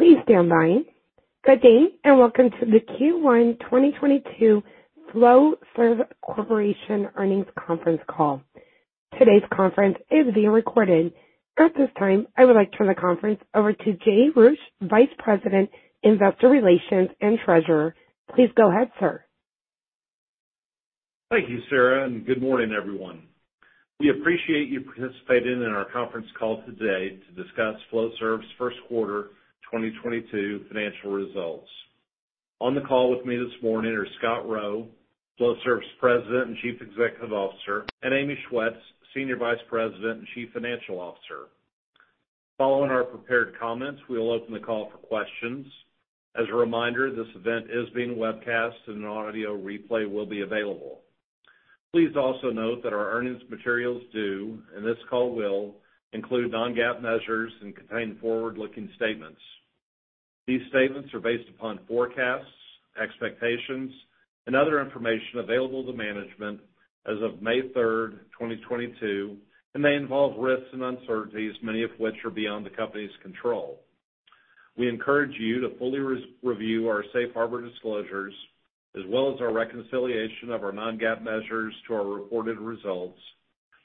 Please stand by. Good day, and welcome to the Q1 2022 Flowserve Corporation earnings conference call. Today's conference is being recorded. At this time, I would like to turn the conference over to Jay Roueche, Vice President, Investor Relations and Treasurer. Please go ahead, sir. Thank you, Sarah, and good morning, everyone. We appreciate you participating in our conference call today to discuss Flowserve's first quarter 2022 financial results. On the call with me this morning are Scott Rowe, Flowserve's President and Chief Executive Officer, and Amy Schwetz, Senior Vice President and Chief Financial Officer. Following our prepared comments, we will open the call for questions. As a reminder, this event is being webcast and an audio replay will be available. Please also note that our earnings materials do, and this call will, include non-GAAP measures and contain forward-looking statements. These statements are based upon forecasts, expectations, and other information available to management as of May 3rd, 2022, and may involve risks and uncertainties, many of which are beyond the company's control. We encourage you to fully review our safe harbor disclosures, as well as our reconciliation of our non-GAAP measures to our reported results,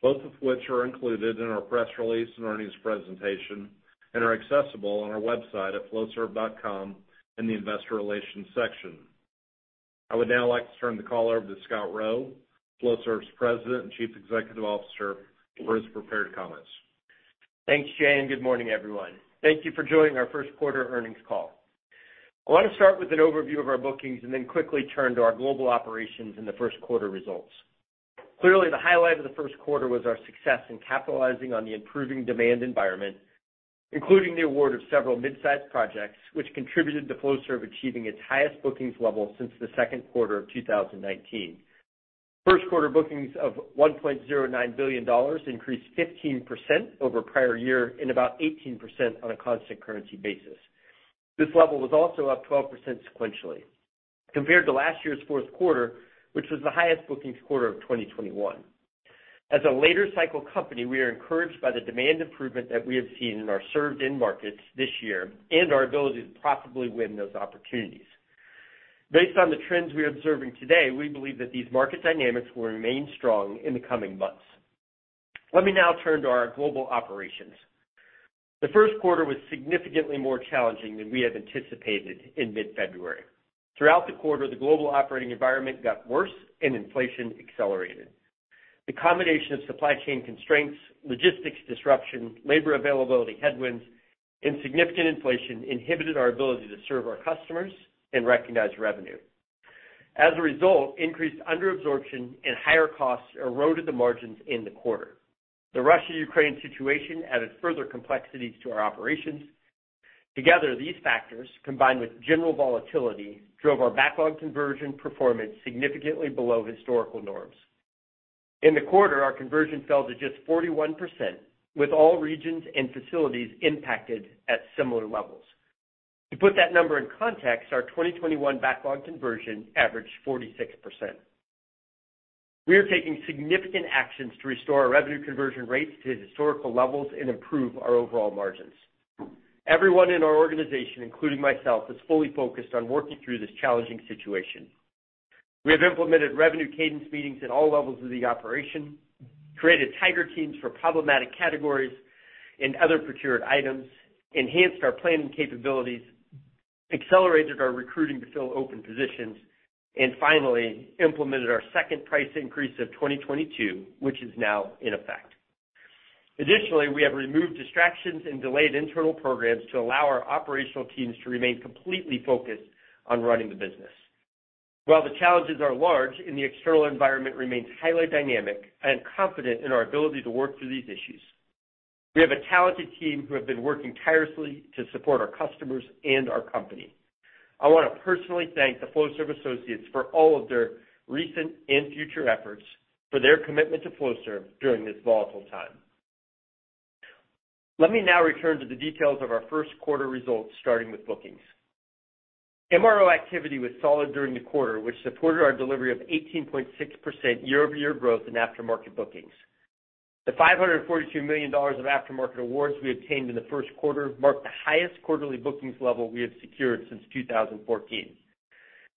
both of which are included in our press release and earnings presentation and are accessible on our website at flowserve.com in the Investor Relations section. I would now like to turn the call over to Scott Rowe, Flowserve's President and Chief Executive Officer, for his prepared comments. Thanks, Jay, and good morning, everyone. Thank you for joining our first quarter earnings call. I wanna start with an overview of our bookings and then quickly turn to our global operations in the first quarter results. Clearly, the highlight of the first quarter was our success in capitalizing on the improving demand environment, including the award of several mid-sized projects, which contributed to Flowserve achieving its highest bookings level since the second quarter of 2019. First quarter bookings of $1.09 billion increased 15% over prior year and about 18% on a constant currency basis. This level was also up 12% sequentially compared to last year's fourth quarter, which was the highest bookings quarter of 2021. As a late-cycle company, we are encouraged by the demand improvement that we have seen in our served end markets this year and our ability to profitably win those opportunities. Based on the trends we are observing today, we believe that these market dynamics will remain strong in the coming months. Let me now turn to our global operations. The first quarter was significantly more challenging than we have anticipated in mid-February. Throughout the quarter, the global operating environment got worse and inflation accelerated. The combination of supply chain constraints, logistics disruption, labor availability headwinds, and significant inflation inhibited our ability to serve our customers and recognize revenue. As a result, increased under absorption and higher costs eroded the margins in the quarter. The Russia-Ukraine situation added further complexities to our operations. Together, these factors, combined with general volatility, drove our backlog conversion performance significantly below historical norms. In the quarter, our conversion fell to just 41%, with all regions and facilities impacted at similar levels. To put that number in context, our 2021 backlog conversion averaged 46%. We are taking significant actions to restore our revenue conversion rates to historical levels and improve our overall margins. Everyone in our organization, including myself, is fully focused on working through this challenging situation. We have implemented revenue cadence meetings in all levels of the operation, created tiger teams for problematic categories and other procured items, enhanced our planning capabilities, accelerated our recruiting to fill open positions, and finally, implemented our second price increase of 2022, which is now in effect. Additionally, we have removed distractions and delayed internal programs to allow our operational teams to remain completely focused on running the business. While the challenges are large and the external environment remains highly dynamic, I am confident in our ability to work through these issues. We have a talented team who have been working tirelessly to support our customers and our company. I wanna personally thank the Flowserve associates for all of their recent and future efforts for their commitment to Flowserve during this volatile time. Let me now return to the details of our first quarter results, starting with bookings. MRO activity was solid during the quarter, which supported our delivery of 18.6% year-over-year growth in aftermarket bookings. The $542 million of aftermarket awards we obtained in the first quarter marked the highest quarterly bookings level we have secured since 2014.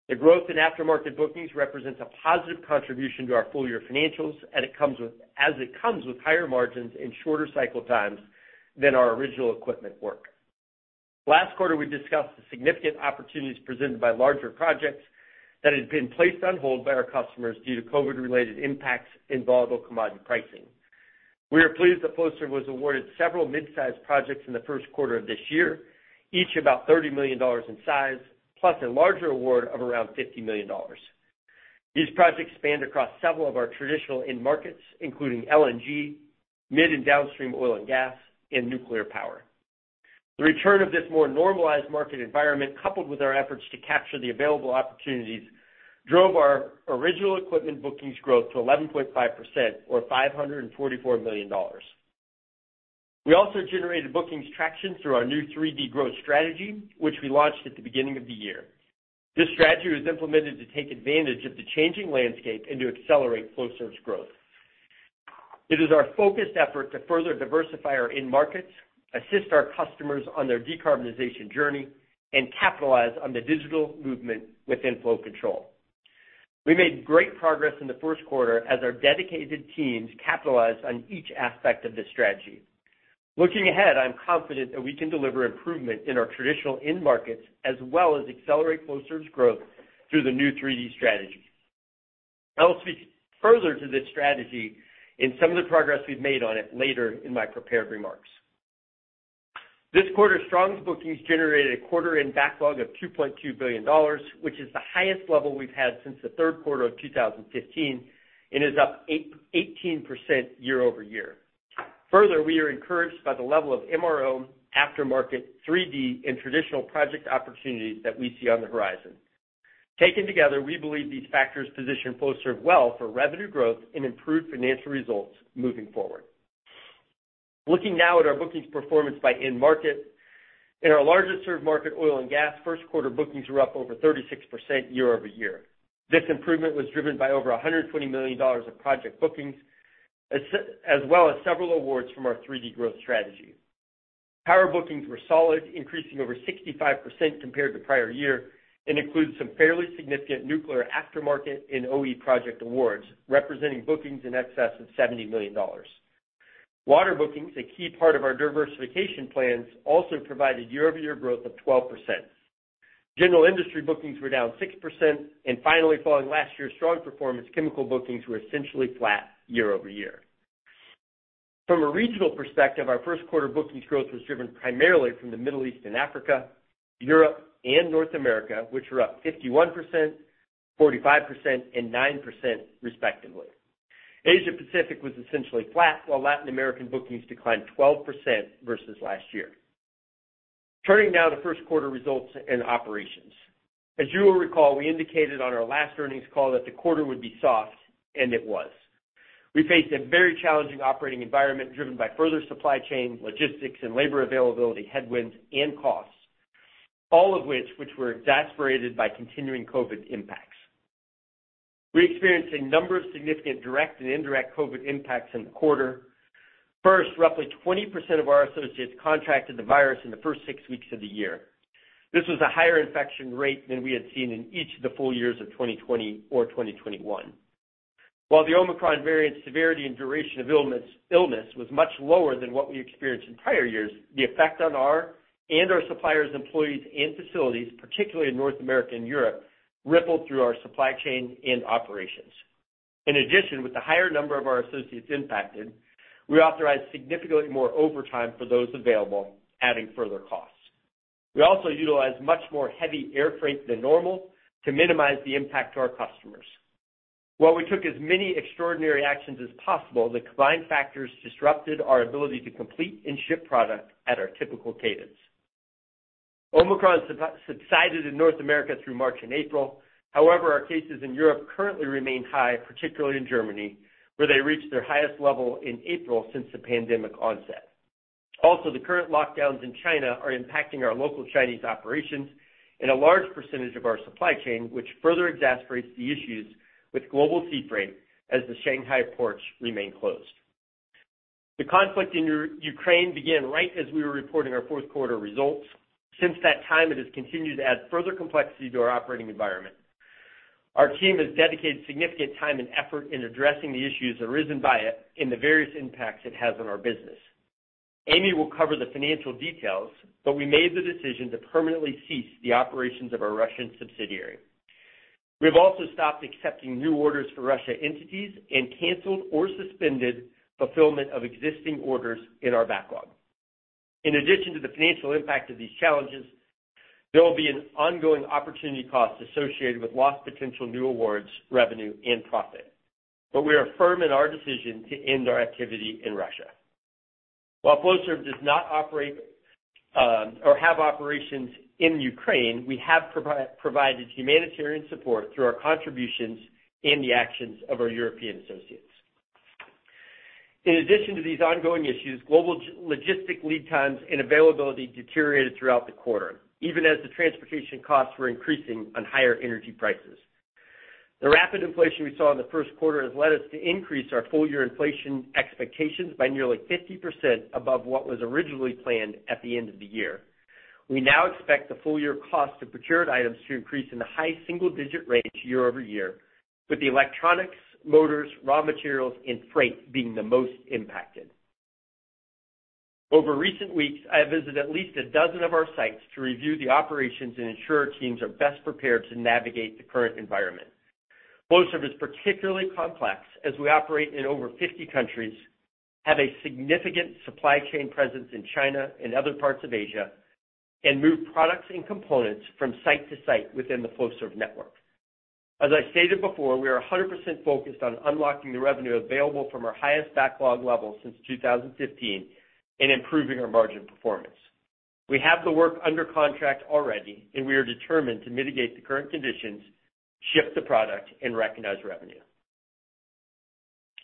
The growth in aftermarket bookings represents a positive contribution to our full year financials, and it comes with higher margins and shorter cycle times than our original equipment work. Last quarter, we discussed the significant opportunities presented by larger projects that had been placed on hold by our customers due to COVID-related impacts and volatile commodity pricing. We are pleased that Flowserve was awarded several mid-sized projects in the first quarter of this year, each about $30 million in size, plus a larger award of around $50 million. These projects spanned across several of our traditional end markets, including LNG, mid and downstream oil and gas, and nuclear power. The return of this more normalized market environment, coupled with our efforts to capture the available opportunities, drove our original equipment bookings growth to 11.5% or $544 million. We also generated bookings traction through our new 3D growth strategy, which we launched at the beginning of the year. This strategy was implemented to take advantage of the changing landscape and to accelerate Flowserve's growth. It is our focused effort to further diversify our end markets, assist our customers on their decarbonization journey, and capitalize on the digital movement within flow control. We made great progress in the first quarter as our dedicated teams capitalized on each aspect of this strategy. Looking ahead, I'm confident that we can deliver improvement in our traditional end markets as well as accelerate Flowserve's growth through the new 3D strategy. I will speak further to this strategy and some of the progress we've made on it later in my prepared remarks. This quarter, strong bookings generated a quarter-end backlog of $2.2 billion, which is the highest level we've had since the third quarter of 2015, and is up 18% year-over-year. We are encouraged by the level of MRO, aftermarket, 3D, and traditional project opportunities that we see on the horizon. Taken together, we believe these factors position Flowserve well for revenue growth and improved financial results moving forward. Looking now at our bookings performance by end market. In our largest served market, oil and gas, first quarter bookings were up over 36% year-over-year. This improvement was driven by over $120 million of project bookings, as well as several awards from our 3D growth strategy. Power bookings were solid, increasing over 65% compared to prior year, and includes some fairly significant nuclear aftermarket and OE project awards, representing bookings in excess of $70 million. Water bookings, a key part of our diversification plans, also provided year-over-year growth of 12%. General industry bookings were down 6%. Finally, following last year's strong performance, chemical bookings were essentially flat year-over-year. From a regional perspective, our first quarter bookings growth was driven primarily from the Middle East and Africa, Europe, and North America, which were up 51%, 45%, and 9% respectively. Asia Pacific was essentially flat, while Latin American bookings declined 12% versus last year. Turning now to first quarter results and operations. As you will recall, we indicated on our last earnings call that the quarter would be soft, and it was. We faced a very challenging operating environment driven by further supply chain, logistics, and labor availability headwinds and costs, all of which were exacerbated by continuing COVID impacts. We experienced a number of significant direct and indirect COVID impacts in the quarter. First, roughly 20% of our associates contracted the virus in the first six weeks of the year. This was a higher infection rate than we had seen in each of the full years of 2020 or 2021. While the Omicron variant severity and duration of illness was much lower than what we experienced in prior years, the effect on our and our suppliers' employees and facilities, particularly in North America and Europe, rippled through our supply chain and operations. In addition, with the higher number of our associates impacted, we authorized significantly more overtime for those available, adding further costs. We also utilized much more heavy air freight than normal to minimize the impact to our customers. While we took as many extraordinary actions as possible, the combined factors disrupted our ability to complete and ship product at our typical cadence. Omicron subsided in North America through March and April. However, our cases in Europe currently remain high, particularly in Germany, where they reached their highest level in April since the pandemic onset. Also, the current lockdowns in China are impacting our local Chinese operations and a large percentage of our supply chain, which further exacerbates the issues with global sea freight as the Shanghai ports remain closed. The conflict in Ukraine began right as we were reporting our fourth quarter results. Since that time, it has continued to add further complexity to our operating environment. Our team has dedicated significant time and effort in addressing the issues arisen by it and the various impacts it has on our business. Amy will cover the financial details, but we made the decision to permanently cease the operations of our Russian subsidiary. We have also stopped accepting new orders for Russia entities and canceled or suspended fulfillment of existing orders in our backlog. In addition to the financial impact of these challenges, there will be an ongoing opportunity cost associated with lost potential new awards, revenue, and profit. We are firm in our decision to end our activity in Russia. While Flowserve does not operate or have operations in Ukraine, we have provided humanitarian support through our contributions and the actions of our European associates. In addition to these ongoing issues, global logistics lead times and availability deteriorated throughout the quarter, even as the transportation costs were increasing on higher energy prices. The rapid inflation we saw in the first quarter has led us to increase our full year inflation expectations by nearly 50% above what was originally planned at the end of the year. We now expect the full year cost of procured items to increase in the high single-digit range year-over-year, with the electronics, motors, raw materials, and freight being the most impacted. Over recent weeks, I have visited at least a dozen of our sites to review the operations and ensure our teams are best prepared to navigate the current environment. Flowserve is particularly complex as we operate in over 50 countries, have a significant supply chain presence in China and other parts of Asia, and move products and components from site to site within the Flowserve network. As I stated before, we are 100% focused on unlocking the revenue available from our highest backlog level since 2015 and improving our margin performance. We have the work under contract already, and we are determined to mitigate the current conditions, ship the product, and recognize revenue.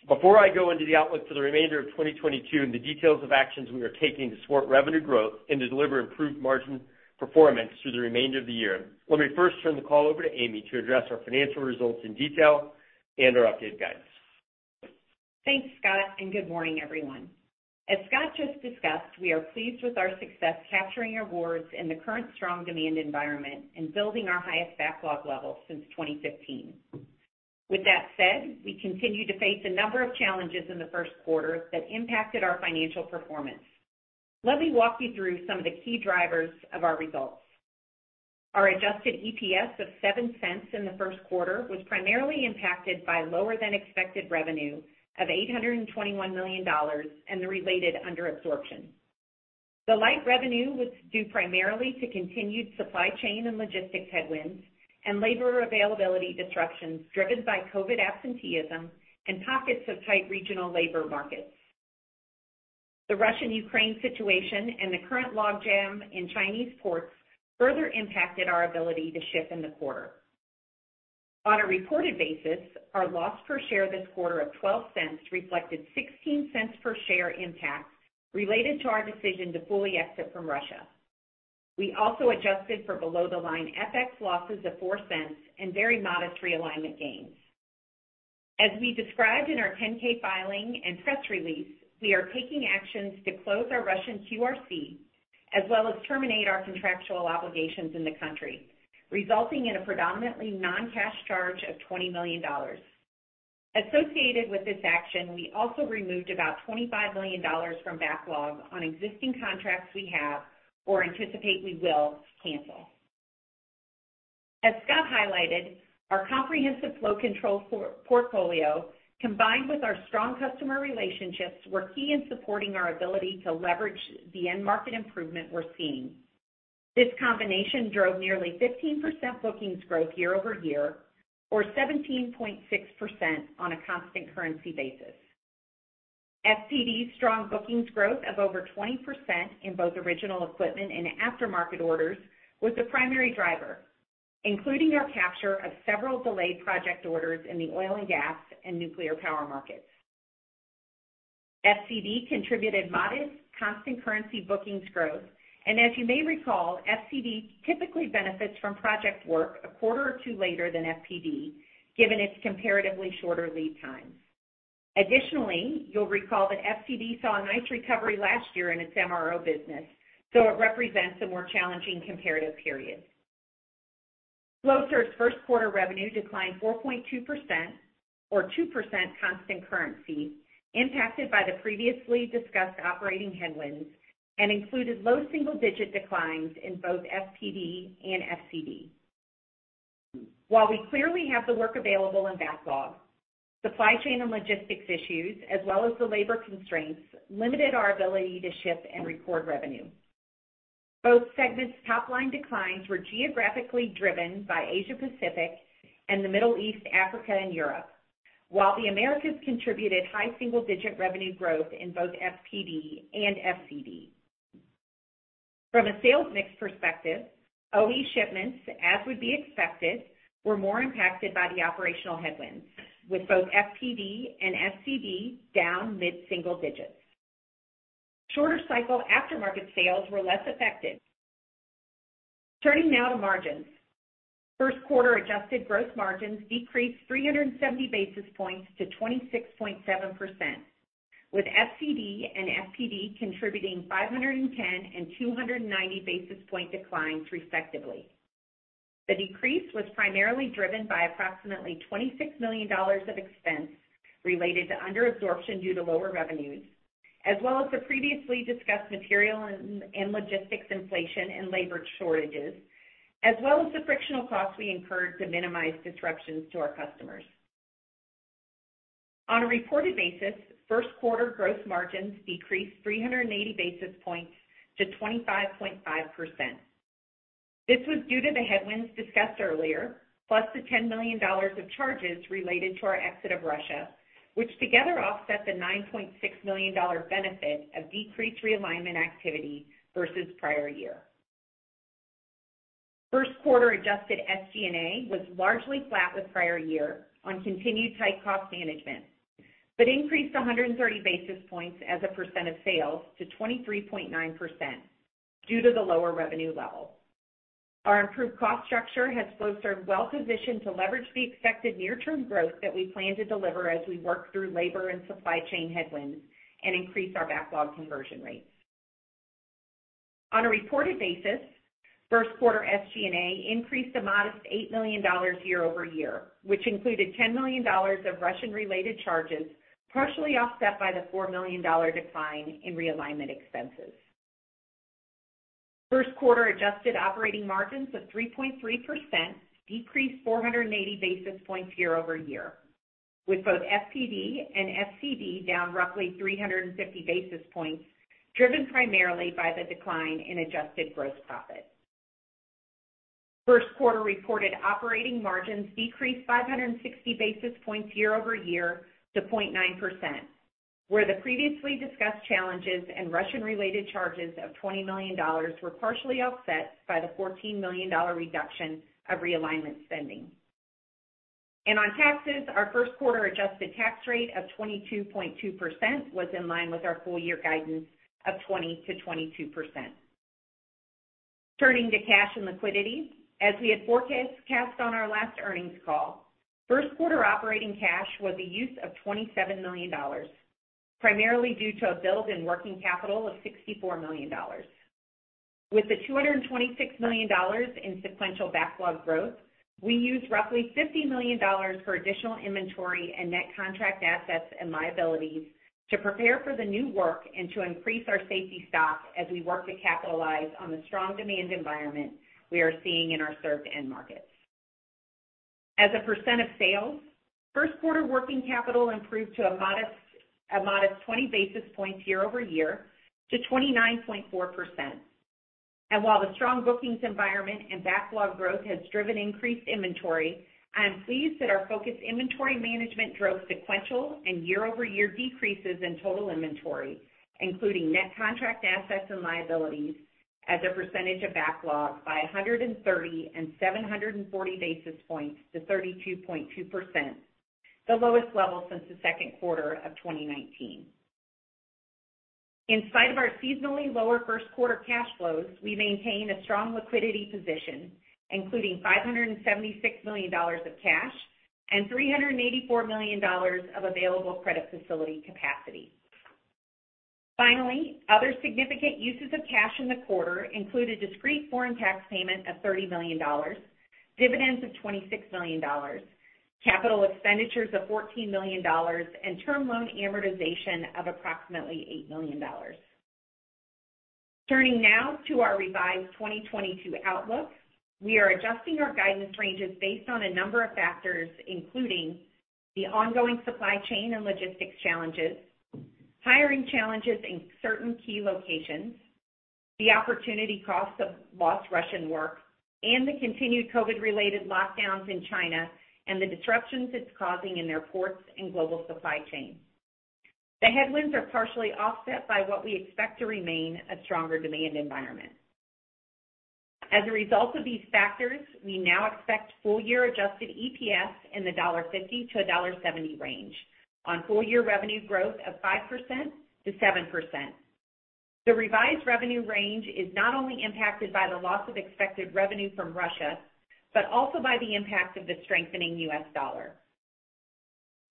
Before I go into the outlook for the remainder of 2022 and the details of actions we are taking to support revenue growth and to deliver improved margin performance through the remainder of the year, let me first turn the call over to Amy to address our financial results in detail and our updated guidance. Thanks, Scott, and good morning, everyone. As Scott just discussed, we are pleased with our success capturing awards in the current strong demand environment and building our highest backlog level since 2015. With that said, we continue to face a number of challenges in the first quarter that impacted our financial performance. Let me walk you through some of the key drivers of our results. Our adjusted EPS of $0.07 in the first quarter was primarily impacted by lower than expected revenue of $821 million and the related under absorption. The lower revenue was due primarily to continued supply chain and logistics headwinds and labor availability disruptions driven by COVID absenteeism and pockets of tight regional labor markets. The Russia-Ukraine situation and the current logjam in Chinese ports further impacted our ability to ship in the quarter. On a reported basis, our loss per share this quarter of $0.12 reflected $0.16 per share impact related to our decision to fully exit from Russia. We also adjusted for below-the-line FX losses of $0.04 and very modest realignment gains. As we described in our 10-K filing and press release, we are taking actions to close our Russian QRC, as well as terminate our contractual obligations in the country, resulting in a predominantly non-cash charge of $20 million. Associated with this action, we also removed about $25 million from backlog on existing contracts we have or anticipate we will cancel. As Scott highlighted, our comprehensive flow control portfolio, combined with our strong customer relationships, were key in supporting our ability to leverage the end market improvement we're seeing. This combination drove nearly 15% bookings growth year-over-year, or 17.6% on a constant currency basis. FPD's strong bookings growth of over 20% in both original equipment and aftermarket orders was the primary driver, including our capture of several delayed project orders in the oil and gas and nuclear power markets. FCD contributed modest constant currency bookings growth. As you may recall, FCD typically benefits from project work a quarter or two later than FPD, given its comparatively shorter lead times. Additionally, you'll recall that FCD saw a nice recovery last year in its MRO business, so it represents a more challenging comparative period. Flowserve's first quarter revenue declined 4.2% or 2% constant currency impacted by the previously discussed operating headwinds and included low single-digit declines in both FPD and FCD. While we clearly have the work available in backlog, supply chain and logistics issues, as well as the labor constraints, limited our ability to ship and record revenue. Both segments' top line declines were geographically driven by Asia Pacific and the Middle East, Africa, and Europe. While the Americas contributed high single-digit revenue growth in both FPD and FCD. From a sales mix perspective, OE shipments, as would be expected, were more impacted by the operational headwinds, with both FPD and FCD down mid-single digits. Shorter cycle aftermarket sales were less affected. Turning now to margins. First quarter adjusted gross margins decreased 370 basis points to 26.7%, with FCD and FPD contributing 510 and 290 basis point declines, respectively. The decrease was primarily driven by approximately $26 million of expense related to under absorption due to lower revenues, as well as the previously discussed material and logistics inflation and labor shortages, as well as the frictional costs we incurred to minimize disruptions to our customers. On a reported basis, first quarter gross margins decreased 380 basis points to 25.5%. This was due to the headwinds discussed earlier, plus the $10 million of charges related to our exit of Russia, which together offset the $9.6 million dollar benefit of decreased realignment activity versus prior year. First quarter adjusted SG&A was largely flat with prior year on continued tight cost management, but increased 130 basis points as a percent of sales to 23.9% due to the lower revenue level. Our improved cost structure has Flowserve well-positioned to leverage the expected near-term growth that we plan to deliver as we work through labor and supply chain headwinds and increase our backlog conversion rates. On a reported basis, first quarter SG&A increased a modest $8 million year-over-year, which included $10 million of Russian-related charges, partially offset by the $4 million decline in realignment expenses. First quarter adjusted operating margins of 3.3% decreased 480 basis points year-over-year, with both FPD and FCD down roughly 350 basis points, driven primarily by the decline in adjusted gross profit. First quarter reported operating margins decreased 560 basis points year-over-year to 0.9%, where the previously discussed challenges and Russian-related charges of $20 million were partially offset by the $14 million reduction of realignment spending. On taxes, our first quarter adjusted tax rate of 22.2% was in line with our full year guidance of 20%-22%. Turning to cash and liquidity. As we had forecast on our last earnings call, first quarter operating cash was a use of $27 million, primarily due to a build in working capital of $64 million. With the $226 million in sequential backlog growth, we used roughly $50 million for additional inventory and net contract assets and liabilities to prepare for the new work and to increase our safety stock as we work to capitalize on the strong demand environment we are seeing in our served end markets. As a percent of sales, first quarter working capital improved to a modest 20 basis points year over year to 29.4%. While the strong bookings environment and backlog growth has driven increased inventory, I am pleased that our focused inventory management drove sequential and year-over-year decreases in total inventory, including net contract assets and liabilities as a percentage of backlog by 130 and 740 basis points to 32.2%, the lowest level since the second quarter of 2019. In spite of our seasonally lower first quarter cash flows, we maintain a strong liquidity position, including $576 million of cash and $384 million of available credit facility capacity. Finally, other significant uses of cash in the quarter include a discrete foreign tax payment of $30 million, dividends of $26 million, capital expenditures of $14 million, and term loan amortization of approximately $8 million. Turning now to our revised 2022 outlook. We are adjusting our guidance ranges based on a number of factors, including the ongoing supply chain and logistics challenges, hiring challenges in certain key locations, the opportunity cost of lost Russian work, and the continued COVID-related lockdowns in China and the disruptions it's causing in their ports and global supply chain. The headwinds are partially offset by what we expect to remain a stronger demand environment. As a result of these factors, we now expect full year adjusted EPS in the $1.50-$1.70 range on full year revenue growth of 5%-7%. The revised revenue range is not only impacted by the loss of expected revenue from Russia, but also by the impact of the strengthening US dollar.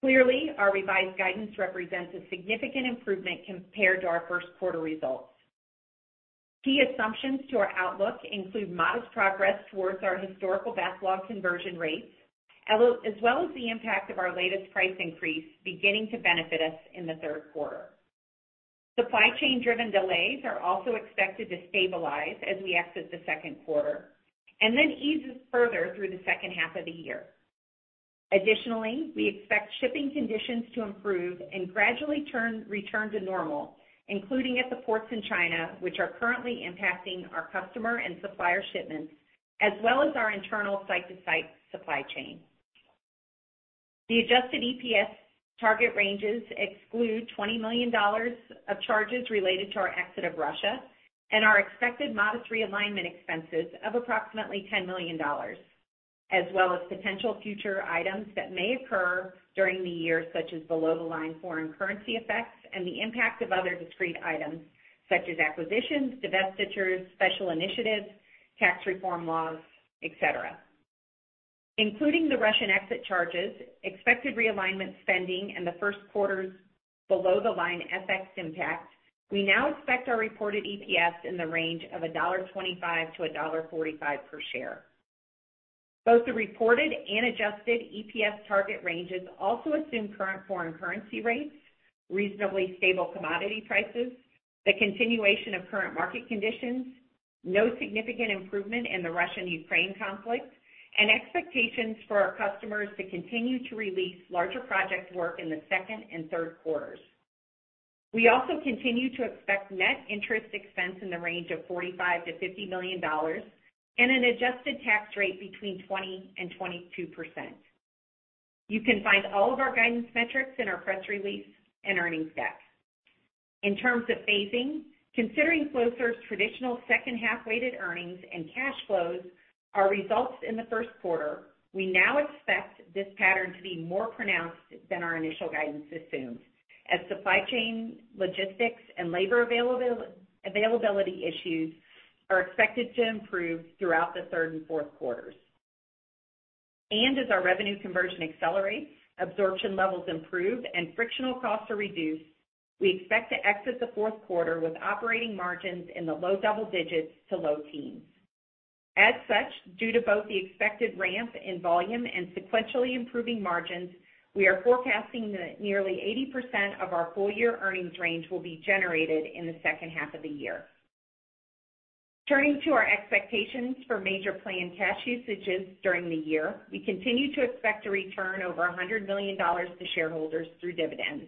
Clearly, our revised guidance represents a significant improvement compared to our first quarter results. Key assumptions to our outlook include modest progress towards our historical backlog conversion rates, as well as the impact of our latest price increase beginning to benefit us in the third quarter. Supply chain driven delays are also expected to stabilize as we exit the second quarter and then ease further through the second half of the year. Additionally, we expect shipping conditions to improve and gradually return to normal, including at the ports in China, which are currently impacting our customer and supplier shipments, as well as our internal site-to-site supply chain. The adjusted EPS target ranges exclude $20 million of charges related to our exit of Russia and our expected modest realignment expenses of approximately $10 million, as well as potential future items that may occur during the year, such as below-the-line foreign currency effects and the impact of other discrete items such as acquisitions, divestitures, special initiatives, tax reform laws, et cetera. Including the Russian exit charges, expected realignment spending, and the first quarter's below-the-line FX impact, we now expect our reported EPS in the range of $1.25-$1.45 per share. Both the reported and adjusted EPS target ranges also assume current foreign currency rates, reasonably stable commodity prices, the continuation of current market conditions, no significant improvement in the Russian-Ukraine conflict, and expectations for our customers to continue to release larger projects work in the second and third quarters. We also continue to expect net interest expense in the range of $45 million-$50 million and an adjusted tax rate between 20% and 22%. You can find all of our guidance metrics in our press release and earnings deck. In terms of phasing, considering Flowserve's traditional second half-weighted earnings and cash flows, our results in the first quarter, we now expect this pattern to be more pronounced than our initial guidance assumed, as supply chain, logistics, and labor availability issues are expected to improve throughout the third and fourth quarters. As our revenue conversion accelerates, absorption levels improve, and frictional costs are reduced, we expect to exit the fourth quarter with operating margins in the low double digits to low teens. As such, due to both the expected ramp in volume and sequentially improving margins, we are forecasting that nearly 80% of our full year earnings range will be generated in the second half of the year. Turning to our expectations for major planned cash usages during the year, we continue to expect to return over $100 million to shareholders through dividends.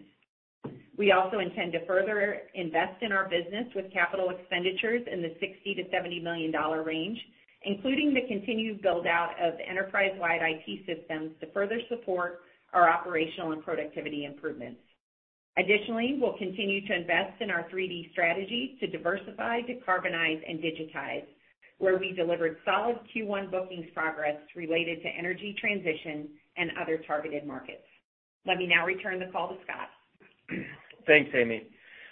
We also intend to further invest in our business with capital expenditures in the $60-$70 million range, including the continued build-out of enterprise-wide IT systems to further support our operational and productivity improvements. Additionally, we'll continue to invest in our 3D strategy to diversify, decarbonize, and digitize, where we delivered solid Q1 bookings progress related to energy transition and other targeted markets. Let me now return the call to Scott. Thanks, Amy.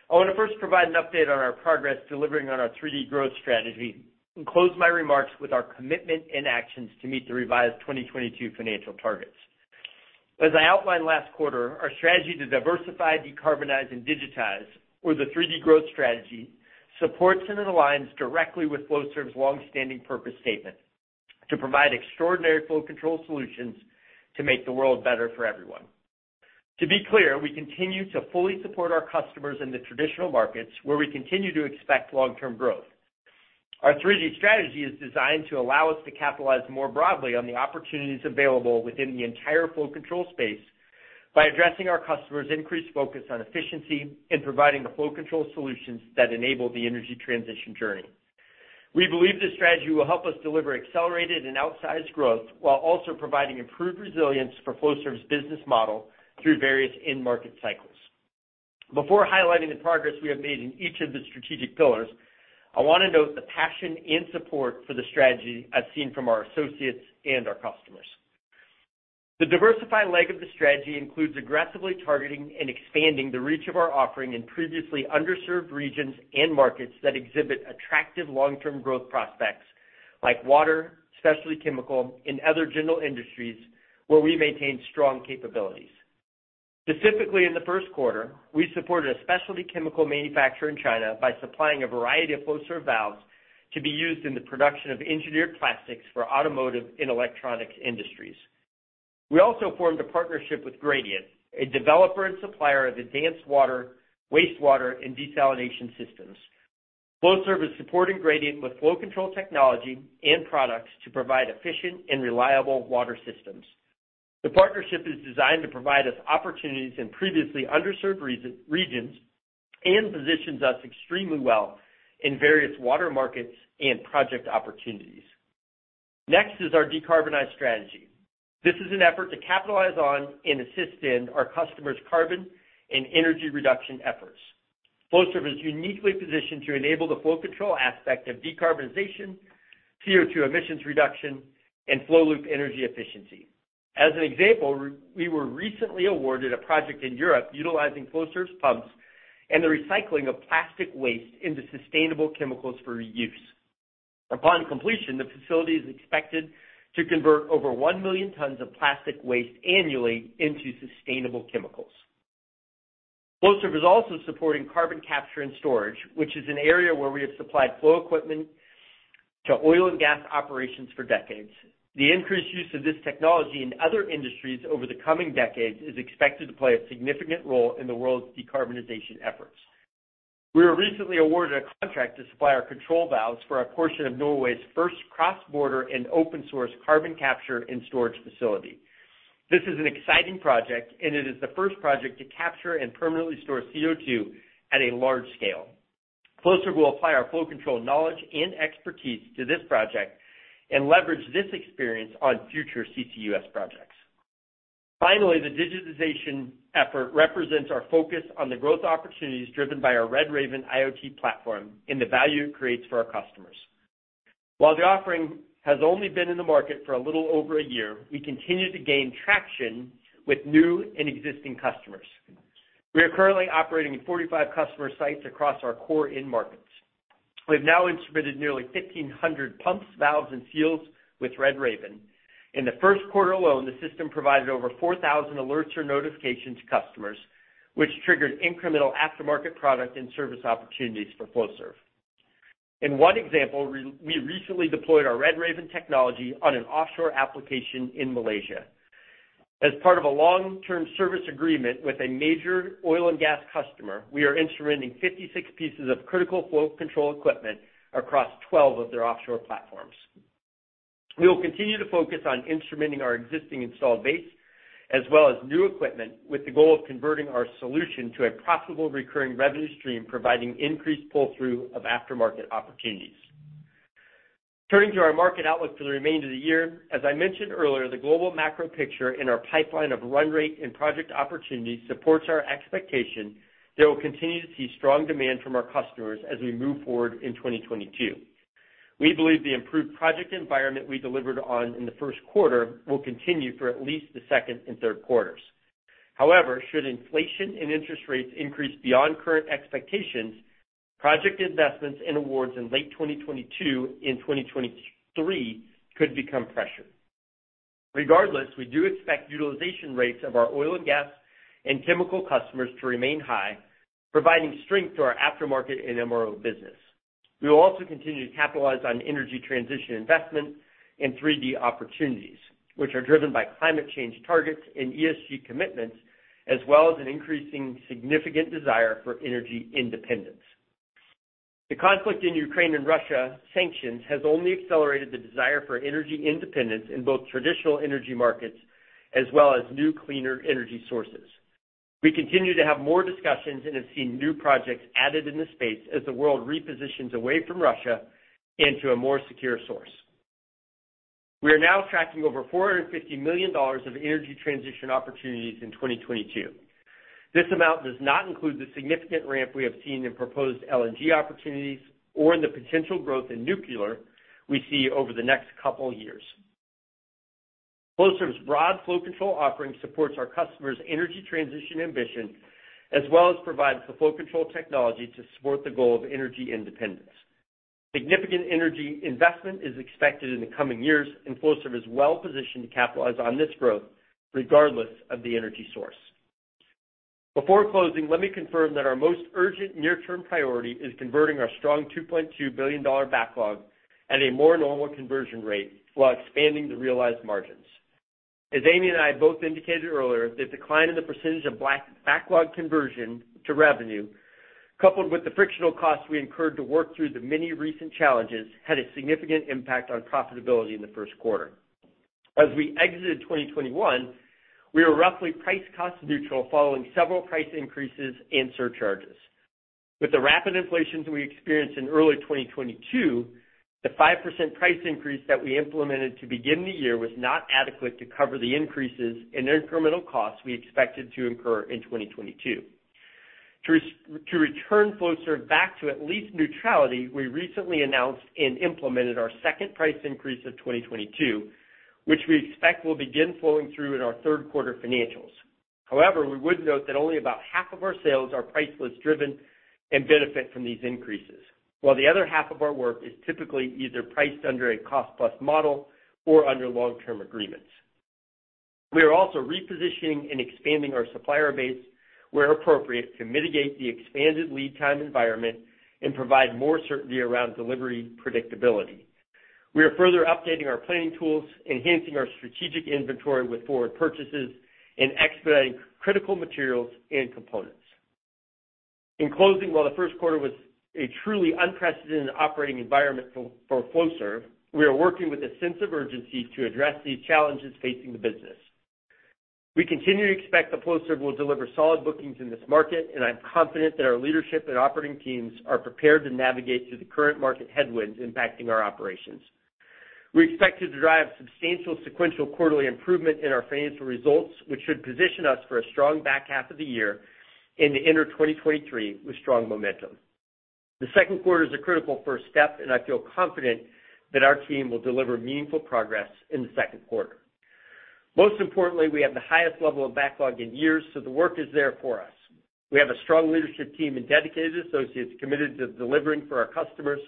I want to first provide an update on our progress delivering on our 3D growth strategy and close my remarks with our commitment and actions to meet the revised 2022 financial targets. As I outlined last quarter, our strategy to diversify, decarbonize, and digitize, or the 3D growth strategy, supports and aligns directly with Flowserve's long-standing purpose statement: to provide extraordinary flow control solutions to make the world better for everyone. To be clear, we continue to fully support our customers in the traditional markets where we continue to expect long-term growth. Our 3D strategy is designed to allow us to capitalize more broadly on the opportunities available within the entire flow control space by addressing our customers' increased focus on efficiency and providing the flow control solutions that enable the energy transition journey. We believe this strategy will help us deliver accelerated and outsized growth while also providing improved resilience for Flowserve's business model through various end market cycles. Before highlighting the progress we have made in each of the strategic pillars, I want to note the passion and support for the strategy as seen from our associates and our customers. The diversified leg of the strategy includes aggressively targeting and expanding the reach of our offering in previously underserved regions and markets that exhibit attractive long-term growth prospects like water, specialty chemical, and other general industries where we maintain strong capabilities. Specifically, in the first quarter, we supported a specialty chemical manufacturer in China by supplying a variety of Flowserve valves to be used in the production of engineered plastics for automotive and electronics industries. We also formed a partnership with Gradiant, a developer and supplier of advanced water, wastewater, and desalination systems. Flowserve is supporting Gradiant with flow control technology and products to provide efficient and reliable water systems. The partnership is designed to provide us opportunities in previously underserved regions and positions us extremely well in various water markets and project opportunities. Next is our decarbonization strategy. This is an effort to capitalize on and assist in our customers' carbon and energy reduction efforts. Flowserve is uniquely positioned to enable the flow control aspect of decarbonization, CO2 emissions reduction, and flow loop energy efficiency. As an example, we were recently awarded a project in Europe utilizing Flowserve's pumps and the recycling of plastic waste into sustainable chemicals for reuse. Upon completion, the facility is expected to convert over 1 million tons of plastic waste annually into sustainable chemicals. Flowserve is also supporting carbon capture and storage, which is an area where we have supplied flow equipment to oil and gas operations for decades. The increased use of this technology in other industries over the coming decades is expected to play a significant role in the world's decarbonization efforts. We were recently awarded a contract to supply our control valves for a portion of Norway's first cross-border and open-source carbon capture and storage facility. This is an exciting project, and it is the first project to capture and permanently store CO₂ at a large scale. Flowserve will apply our flow control knowledge and expertise to this project and leverage this experience on future CCUS projects. Finally, the digitization effort represents our focus on the growth opportunities driven by our RedRaven IoT platform and the value it creates for our customers. While the offering has only been in the market for a little over a year, we continue to gain traction with new and existing customers. We are currently operating in 45 customer sites across our core end markets. We've now instrumented nearly 1,500 pumps, valves, and seals with RedRaven. In the first quarter alone, the system provided over 4,000 alerts or notifications to customers, which triggered incremental aftermarket product and service opportunities for Flowserve. In one example, we recently deployed our RedRaven technology on an offshore application in Malaysia. As part of a long-term service agreement with a major oil and gas customer, we are instrumenting 56 pieces of critical flow control equipment across 12 of their offshore platforms. We will continue to focus on instrumenting our existing installed base as well as new equipment with the goal of converting our solution to a profitable recurring revenue stream, providing increased pull-through of aftermarket opportunities. Turning to our market outlook for the remainder of the year. As I mentioned earlier, the global macro picture in our pipeline of run rate and project opportunities supports our expectation that we'll continue to see strong demand from our customers as we move forward in 2022. We believe the improved project environment we delivered on in the first quarter will continue for at least the second and third quarters. However, should inflation and interest rates increase beyond current expectations, project investments and awards in late 2022 and 2023 could become pressured. Regardless, we do expect utilization rates of our oil and gas and chemical customers to remain high, providing strength to our aftermarket and MRO business. We will also continue to capitalize on energy transition investments and 3D opportunities, which are driven by climate change targets and ESG commitments, as well as an increasing significant desire for energy independence. The conflict in Ukraine and Russia sanctions has only accelerated the desire for energy independence in both traditional energy markets as well as new, cleaner energy sources. We continue to have more discussions and have seen new projects added in this space as the world repositions away from Russia into a more secure source. We are now tracking over $450 million of energy transition opportunities in 2022. This amount does not include the significant ramp we have seen in proposed LNG opportunities or in the potential growth in nuclear we see over the next couple of years. Flowserve's broad flow control offering supports our customers' energy transition ambition, as well as provides the flow control technology to support the goal of energy independence. Significant energy investment is expected in the coming years, and Flowserve is well-positioned to capitalize on this growth regardless of the energy source. Before closing, let me confirm that our most urgent near-term priority is converting our strong $2.2 billion backlog at a more normal conversion rate while expanding the realized margins. Amy and I both indicated earlier, the decline in the percentage of backlog conversion to revenue, coupled with the frictional costs we incurred to work through the many recent challenges, had a significant impact on profitability in the first quarter. As we exited 2021, we were roughly price cost neutral following several price increases and surcharges. With the rapid inflation we experienced in early 2022, the 5% price increase that we implemented to begin the year was not adequate to cover the increases in incremental costs we expected to incur in 2022. To return Flowserve back to at least neutrality, we recently announced and implemented our second price increase of 2022, which we expect will begin flowing through in our third quarter financials. However, we would note that only about half of our sales are price list driven and benefit from these increases. While the other half of our work is typically either priced under a cost-plus model or under long-term agreements. We are also repositioning and expanding our supplier base where appropriate, to mitigate the expanded lead time environment and provide more certainty around delivery predictability. We are further updating our planning tools, enhancing our strategic inventory with forward purchases, and expediting critical materials and components. In closing, while the first quarter was a truly unprecedented operating environment for Flowserve, we are working with a sense of urgency to address these challenges facing the business. We continue to expect that Flowserve will deliver solid bookings in this market, and I'm confident that our leadership and operating teams are prepared to navigate through the current market headwinds impacting our operations. We expect to drive substantial sequential quarterly improvement in our financial results, which should position us for a strong back half of the year into 2023 with strong momentum. The second quarter is a critical first step, and I feel confident that our team will deliver meaningful progress in the second quarter. Most importantly, we have the highest level of backlog in years, so the work is there for us. We have a strong leadership team and dedicated associates committed to delivering for our customers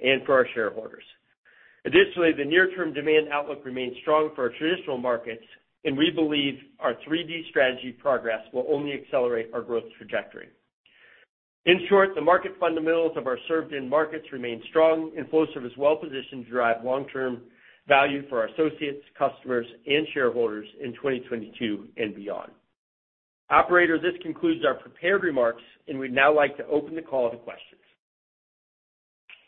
and for our shareholders. Additionally, the near-term demand outlook remains strong for our traditional markets, and we believe our 3D strategy progress will only accelerate our growth trajectory. In short, the market fundamentals of our served markets remain strong, and Flowserve is well-positioned to drive long-term value for our associates, customers, and shareholders in 2022 and beyond. Operator, this concludes our prepared remarks, and we'd now like to open the call to questions.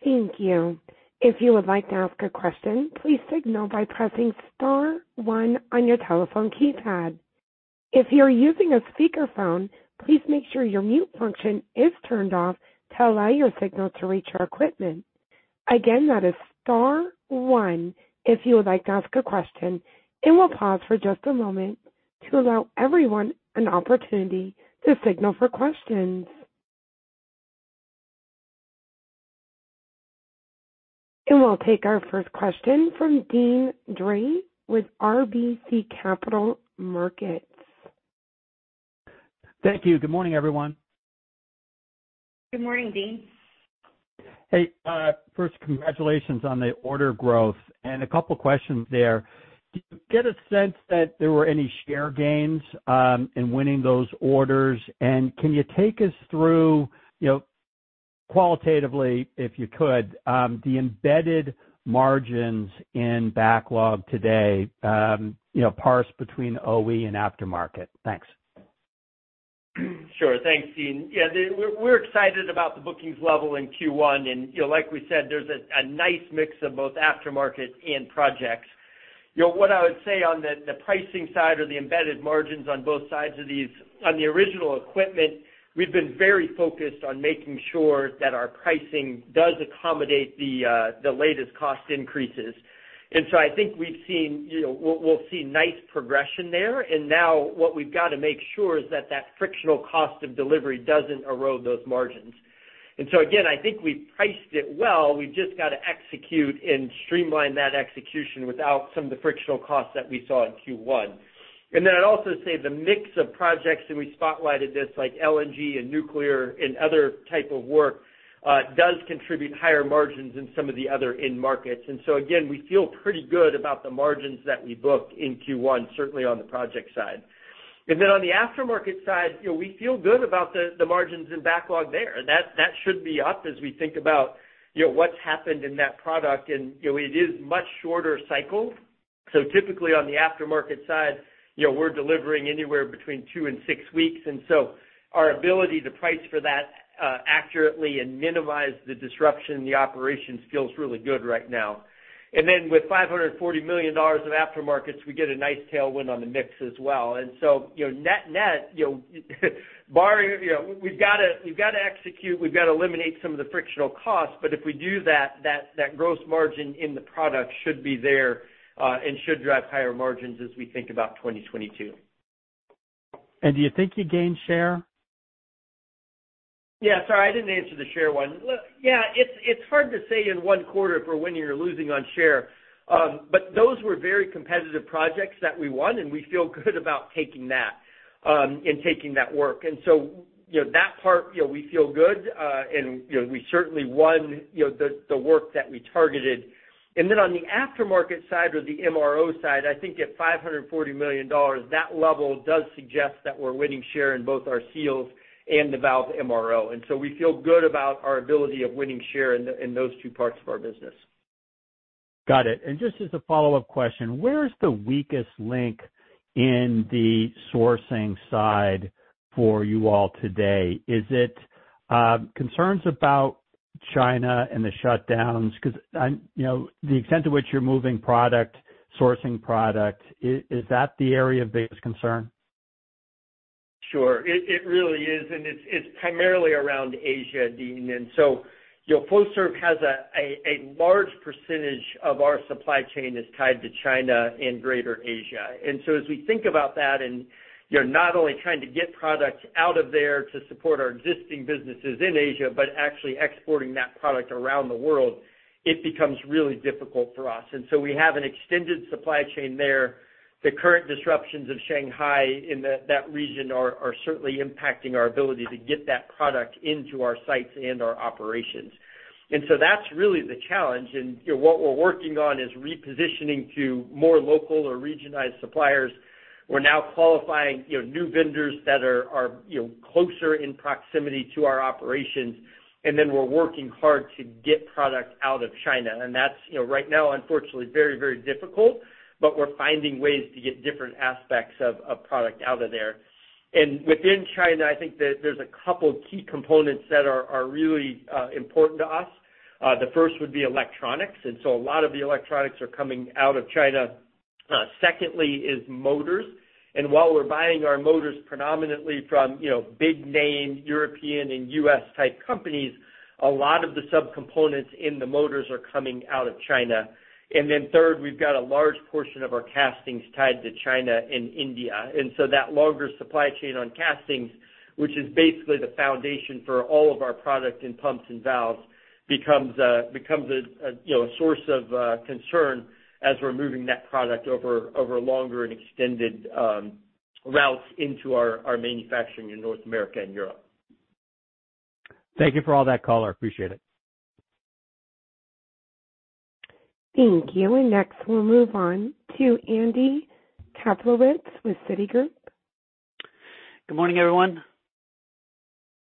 Thank you. If you would like to ask a question, please signal by pressing star one on your telephone keypad. If you're using a speakerphone, please make sure your mute function is turned off to allow your signal to reach our equipment. Again, that is star one if you would like to ask a question. We'll pause for just a moment to allow everyone an opportunity to signal for questions. We'll take our first question from Deane Dray with RBC Capital Markets. Thank you. Good morning, everyone. Good morning, Deane. Hey, first, congratulations on the order growth, and a couple questions there. Do you get a sense that there were any share gains in winning those orders? Can you take us through qualitatively, if you could, the embedded margins in backlog today, parse between OE and aftermarket? Thanks. Sure. Thanks, Dean. Yeah, we're excited about the bookings level in Q1. You know, like we said, there's a nice mix of both aftermarket and projects. You know, what I would say on the pricing side or the embedded margins on both sides of these, on the original equipment, we've been very focused on making sure that our pricing does accommodate the latest cost increases. I think we've seen, you know, we'll see nice progression there. Now what we've got to make sure is that frictional cost of delivery doesn't erode those margins. Again, I think we priced it well. We've just got to execute and streamline that execution without some of the frictional costs that we saw in Q1. Then I'd also say the mix of projects, and we spotlighted this, like LNG and nuclear and other type of work, does contribute higher margins in some of the other end markets. Again, we feel pretty good about the margins that we booked in Q1, certainly on the project side. On the aftermarket side, you know, we feel good about the margins and backlog there. That should be up as we think about, you know, what's happened in that product. You know, it is much shorter cycles. Typically, on the aftermarket side, you know, we're delivering anywhere between two and six weeks. Our ability to price for that accurately and minimize the disruption in the operations feels really good right now. With $540 million of aftermarkets, we get a nice tailwind on the mix as well. You know, net-net, you know, we've got to execute, we've got to eliminate some of the frictional costs, but if we do that, gross margin in the product should be there, and should drive higher margins as we think about 2022. Do you think you gained share? Yeah, sorry, I didn't answer the share one. Look, yeah, it's hard to say in one quarter if we're winning or losing on share. But those were very competitive projects that we won, and we feel good about taking that work. You know, that part, you know, we feel good, and you know, we certainly won, you know, the work that we targeted. On the aftermarket side or the MRO side, I think at $540 million, that level does suggest that we're winning share in both our seals and the valve MRO. We feel good about our ability of winning share in those two parts of our business. Got it. Just as a follow-up question, where is the weakest link in the sourcing side for you all today? Is it, concerns about China and the shutdowns? Because, you know, the extent to which you're moving product, sourcing product, is that the area of biggest concern? Sure. It really is, and it's primarily around Asia, Deane. You know, Flowserve has a large percentage of our supply chain is tied to China and Greater Asia. As we think about that, you're not only trying to get products out of there to support our existing businesses in Asia, but actually exporting that product around the world, it becomes really difficult for us. We have an extended supply chain there. The current disruptions of Shanghai in that region are certainly impacting our ability to get that product into our sites and our operations. That's really the challenge. You know, what we're working on is repositioning to more local or regionalized suppliers. We're now qualifying new vendors that are closer in proximity to our operations. Then we're working hard to get product out of China. That's, you know, right now, unfortunately, very, very difficult, but we're finding ways to get different aspects of product out of there. Within China, I think there's a couple key components that are really important to us. The first would be electronics, and so a lot of the electronics are coming out of China. Secondly is motors. While we're buying our motors predominantly from, you know, big name European and U.S. type companies, a lot of the subcomponents in the motors are coming out of China. Then third, we've got a large portion of our castings tied to China and India. That longer supply chain on castings, which is basically the foundation for all of our product in pumps and valves, becomes a you know a source of concern as we're moving that product over longer and extended routes into our manufacturing in North America and Europe. Thank you for all that color. Appreciate it. Thank you. Next, we'll move on to Andrew Kaplowitz with Citigroup. Good morning, everyone.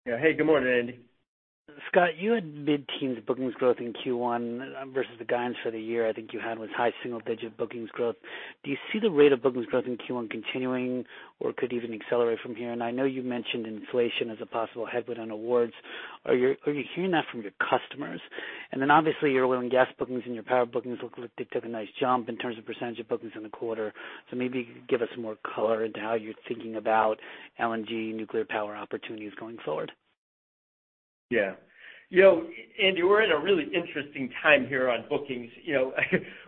Yeah. Hey, good morning, Andy. Scott, you had mid-teens bookings growth in Q1 versus the guidance for the year I think you had was high single digit bookings growth. Do you see the rate of bookings growth in Q1 continuing or could it even accelerate from here? I know you mentioned inflation as a possible headwind on awards. Are you hearing that from your customers? Obviously, your oil and gas bookings and your power bookings look like they took a nice jump in terms of percentage of bookings in the quarter. Maybe give us some more color into how you're thinking about LNG nuclear power opportunities going forward. Yeah. You know, Andy, we're in a really interesting time here on bookings. You know,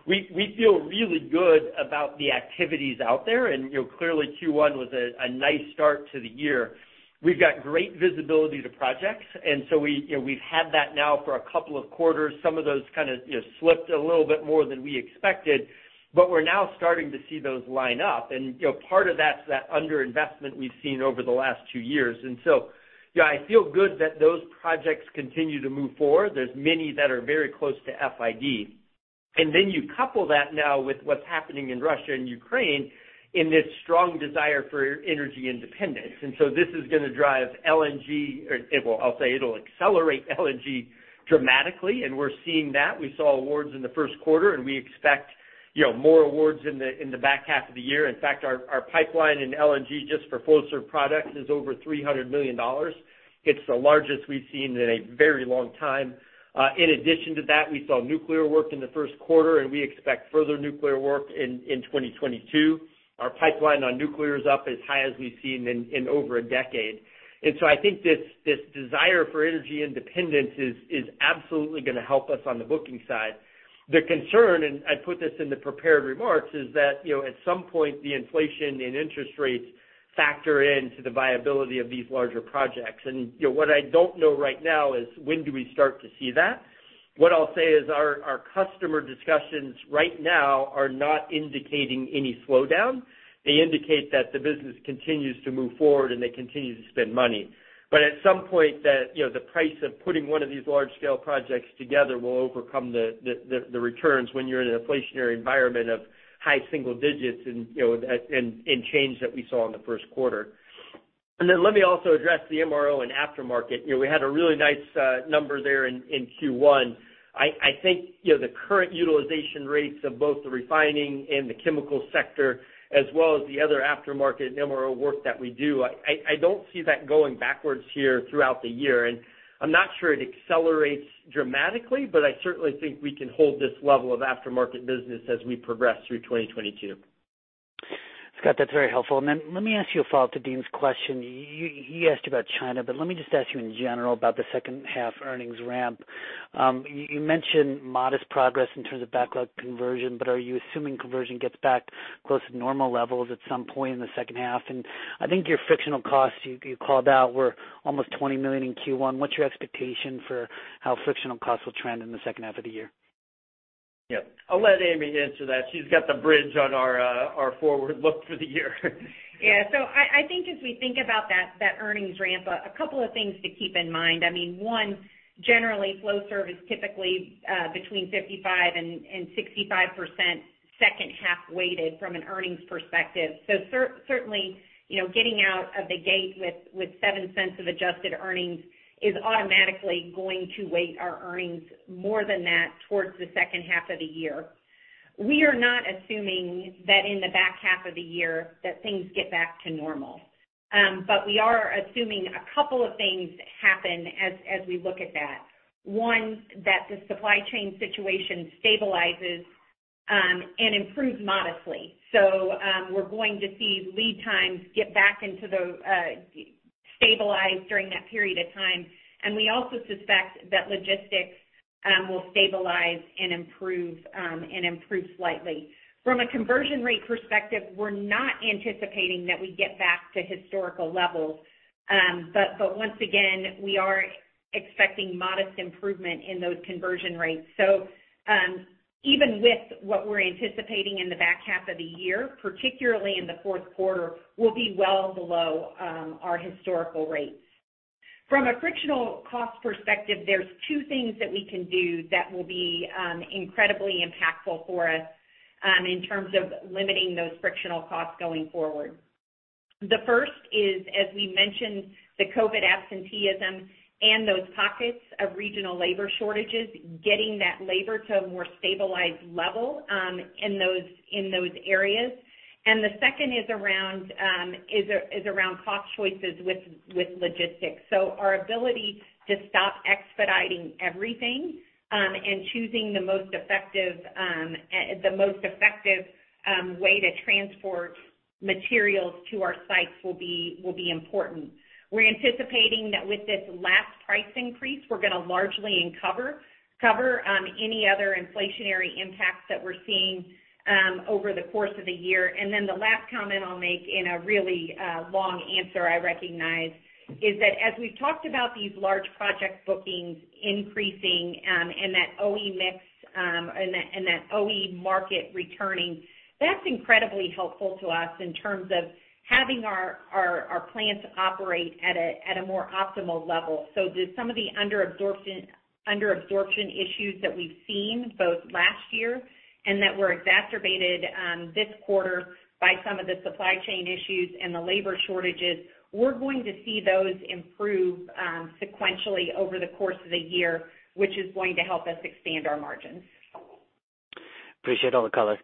we feel really good about the activities out there and, you know, clearly Q1 was a nice start to the year. We've got great visibility to projects, and so we, you know, we've had that now for a couple of quarters. Some of those kind of, you know, slipped a little bit more than we expected, but we're now starting to see those line up. You know, part of that's that underinvestment we've seen over the last two years. Yeah, I feel good that those projects continue to move forward. There's many that are very close to FID. Then you couple that now with what's happening in Russia and Ukraine and this strong desire for energy independence. This is gonna drive LNG, or it will, I'll say it'll accelerate LNG dramatically, and we're seeing that. We saw awards in the first quarter, and we expect, you know, more awards in the back half of the year. In fact, our pipeline in LNG just for Flowserve products is over $300 million. It's the largest we've seen in a very long time. In addition to that, we saw nuclear work in the first quarter, and we expect further nuclear work in 2022. Our pipeline on nuclear is up as high as we've seen in over a decade. I think this desire for energy independence is absolutely gonna help us on the booking side. The concern, and I put this in the prepared remarks, is that, you know, at some point the inflation and interest rates factor into the viability of these larger projects. You know, what I don't know right now is when do we start to see that? What I'll say is our customer discussions right now are not indicating any slowdown. They indicate that the business continues to move forward and they continue to spend money. At some point that, you know, the price of putting one of these large-scale projects together will overcome the returns when you're in an inflationary environment of high single digits and, you know, and change that we saw in the first quarter. Then let me also address the MRO and aftermarket. You know, we had a really nice number there in Q1. I think, you know, the current utilization rates of both the refining and the chemical sector, as well as the other aftermarket MRO work that we do, I don't see that going backwards here throughout the year. I'm not sure it accelerates dramatically, but I certainly think we can hold this level of aftermarket business as we progress through 2022. Scott, that's very helpful. Then let me ask you a follow-up to Deane's question. He asked you about China, but let me just ask you in general about the second half earnings ramp. You mentioned modest progress in terms of backlog conversion, but are you assuming conversion gets back close to normal levels at some point in the second half? I think your frictional costs you called out were almost $20 million in Q1. What's your expectation for how frictional costs will trend in the second half of the year? Yeah. I'll let Amy answer that. She's got the bridge on our forward look for the year. Yeah. I think as we think about that earnings ramp, a couple of things to keep in mind. I mean, one, generally, Flowserve is typically between 55%-65% second half weighted from an earnings perspective. Certainly, you know, getting out of the gate with $0.07 of adjusted earnings is automatically going to weight our earnings more than that towards the second half of the year. We are not assuming that in the back half of the year that things get back to normal. We are assuming a couple of things happen as we look at that. One, that the supply chain situation stabilizes and improves modestly. We're going to see lead times get back into the stabilized during that period of time. We also suspect that logistics will stabilize and improve slightly. From a conversion rate perspective, we're not anticipating that we get back to historical levels. But once again, we are expecting modest improvement in those conversion rates. Even with what we're anticipating in the back half of the year, particularly in the fourth quarter, we'll be well below our historical rates. From a frictional cost perspective, there's two things that we can do that will be incredibly impactful for us in terms of limiting those frictional costs going forward. The first is, as we mentioned, the COVID absenteeism and those pockets of regional labor shortages, getting that labor to a more stabilized level in those areas. The second is around cost choices with logistics. Our ability to stop expediting everything and choosing the most effective way to transport materials to our sites will be important. We're anticipating that with this last price increase, we're gonna largely cover any other inflationary impacts that we're seeing over the course of the year. Then the last comment I'll make in a really long answer, I recognize, is that as we've talked about these large project bookings increasing and that OE mix and that OE market returning, that's incredibly helpful to us in terms of having our plants operate at a more optimal level. Some of the under absorption issues that we've seen both last year and that were exacerbated this quarter by some of the supply chain issues and the labor shortages, we're going to see those improve sequentially over the course of the year, which is going to help us expand our margins. Appreciate all the color.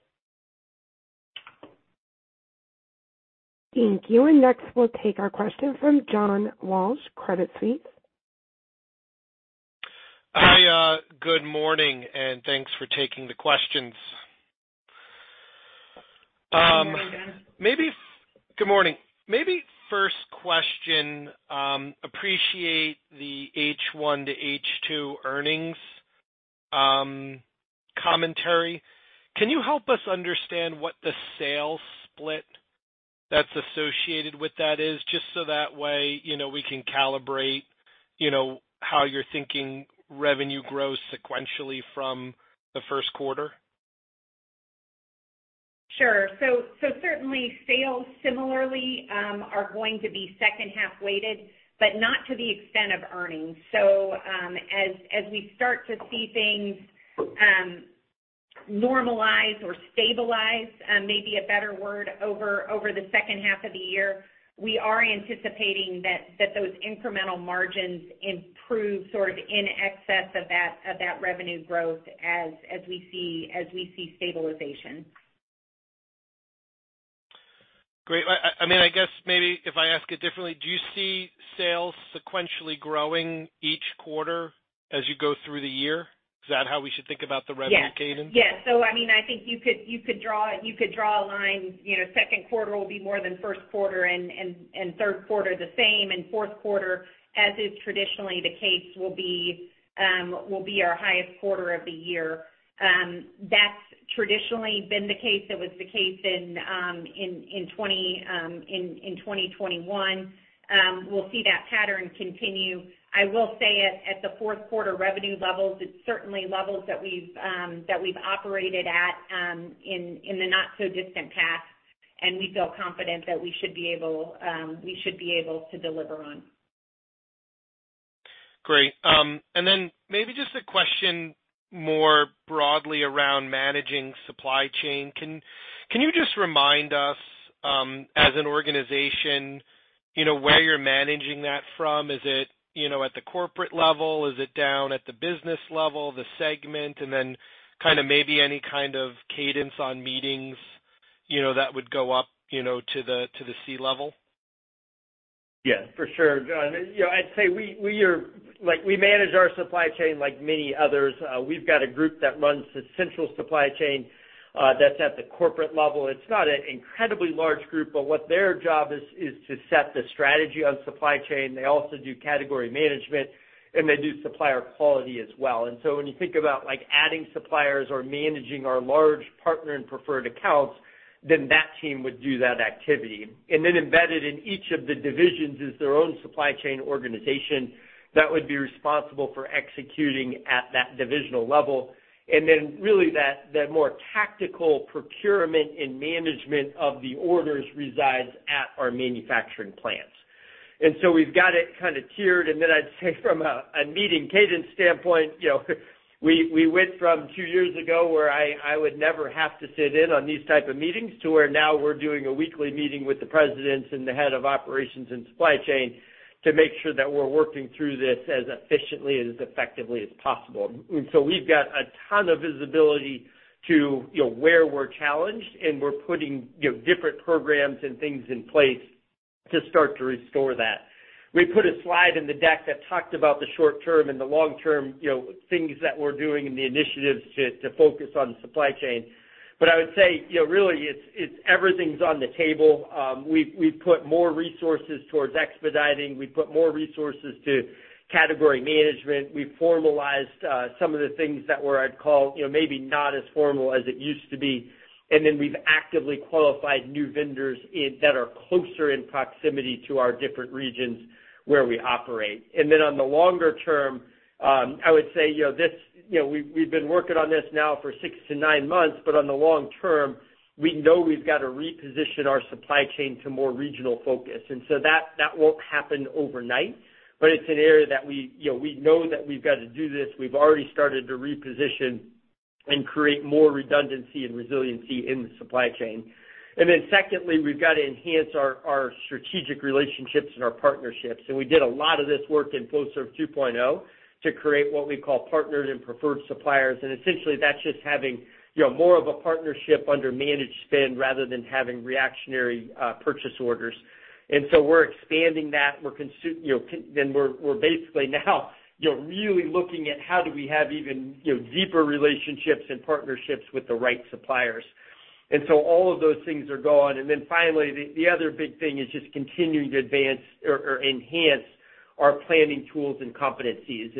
Thank you. Next, we'll take our question from John Walsh, Credit Suisse. Hi, good morning, and thanks for taking the questions. Good morning, John. Good morning. Maybe first question, appreciate the H1 to H2 earnings commentary. Can you help us understand what the sales split that's associated with that is, just so that way, you know, we can calibrate, you know, how you're thinking revenue grows sequentially from the first quarter? Sure. Certainly sales similarly are going to be second half weighted, but not to the extent of earnings. As we start to see things normalize or stabilize, maybe a better word, over the second half of the year, we are anticipating that those incremental margins improve sort of in excess of that revenue growth as we see stabilization. Great. I mean, I guess maybe if I ask it differently, do you see sales sequentially growing each quarter as you go through the year? Is that how we should think about the revenue cadence? Yes. I mean, I think you could draw a line, you know, second quarter will be more than first quarter and third quarter the same, and fourth quarter, as is traditionally the case, will be our highest quarter of the year. That's traditionally been the case. That was the case in 2021. We'll see that pattern continue. I will say at the fourth quarter revenue levels, it's certainly levels that we've operated at in the not-so-distant past, and we feel confident that we should be able to deliver on. Great. Maybe just a question more broadly around managing supply chain. Can you just remind us, as an organization, you know, where you're managing that from? Is it, you know, at the corporate level? Is it down at the business level, the segment? Kinda maybe any kind of cadence on meetings, you know, that would go up, you know, to the C level? Yes, for sure. You know, I'd say we are like, we manage our supply chain like many others. We've got a group that runs the central supply chain, that's at the corporate level. It's not an incredibly large group, but what their job is to set the strategy on supply chain. They also do category management, and they do supplier quality as well. When you think about, like, adding suppliers or managing our large partner and preferred accounts, then that team would do that activity. Embedded in each of the divisions is their own supply chain organization that would be responsible for executing at that divisional level. Really that, the more tactical procurement and management of the orders reside at our manufacturing plants. We've got it kind of tiered. I'd say from a meeting cadence standpoint, you know, we went from two years ago where I would never have to sit in on these type of meetings to where now we're doing a weekly meeting with the presidents and the head of operations and supply chain to make sure that we're working through this as efficiently and as effectively as possible. We've got a ton of visibility to, you know, where we're challenged, and we're putting, you know, different programs and things in place to start to restore that. We put a slide in the deck that talked about the short term and the long term, you know, things that we're doing and the initiatives to focus on supply chain. I would say, you know, really, it's everything's on the table. We've put more resources towards expediting. We've put more resources to category management. We formalized some of the things that were, I'd call, you know, maybe not as formal as it used to be. We've actively qualified new vendors in that are closer in proximity to our different regions where we operate. On the longer term, I would say, you know, this, you know, we've been working on this now for six to nine months, but on the long term, we know we've got to reposition our supply chain to more regional focus. That won't happen overnight, but it's an area that we, you know, we know that we've got to do this. We've already started to reposition and create more redundancy and resiliency in the supply chain. Secondly, we've got to enhance our strategic relationships and our partnerships. We did a lot of this work in Flowserve 2.0, to create what we call partners and preferred suppliers. Essentially, that's just having, you know, more of a partnership under managed spend rather than having reactionary purchase orders. We're expanding that. We're basically now, you know, really looking at how do we have even, you know, deeper relationships and partnerships with the right suppliers. All of those things are gone. Then finally, the other big thing is just continuing to advance or enhance our planning tools and competencies.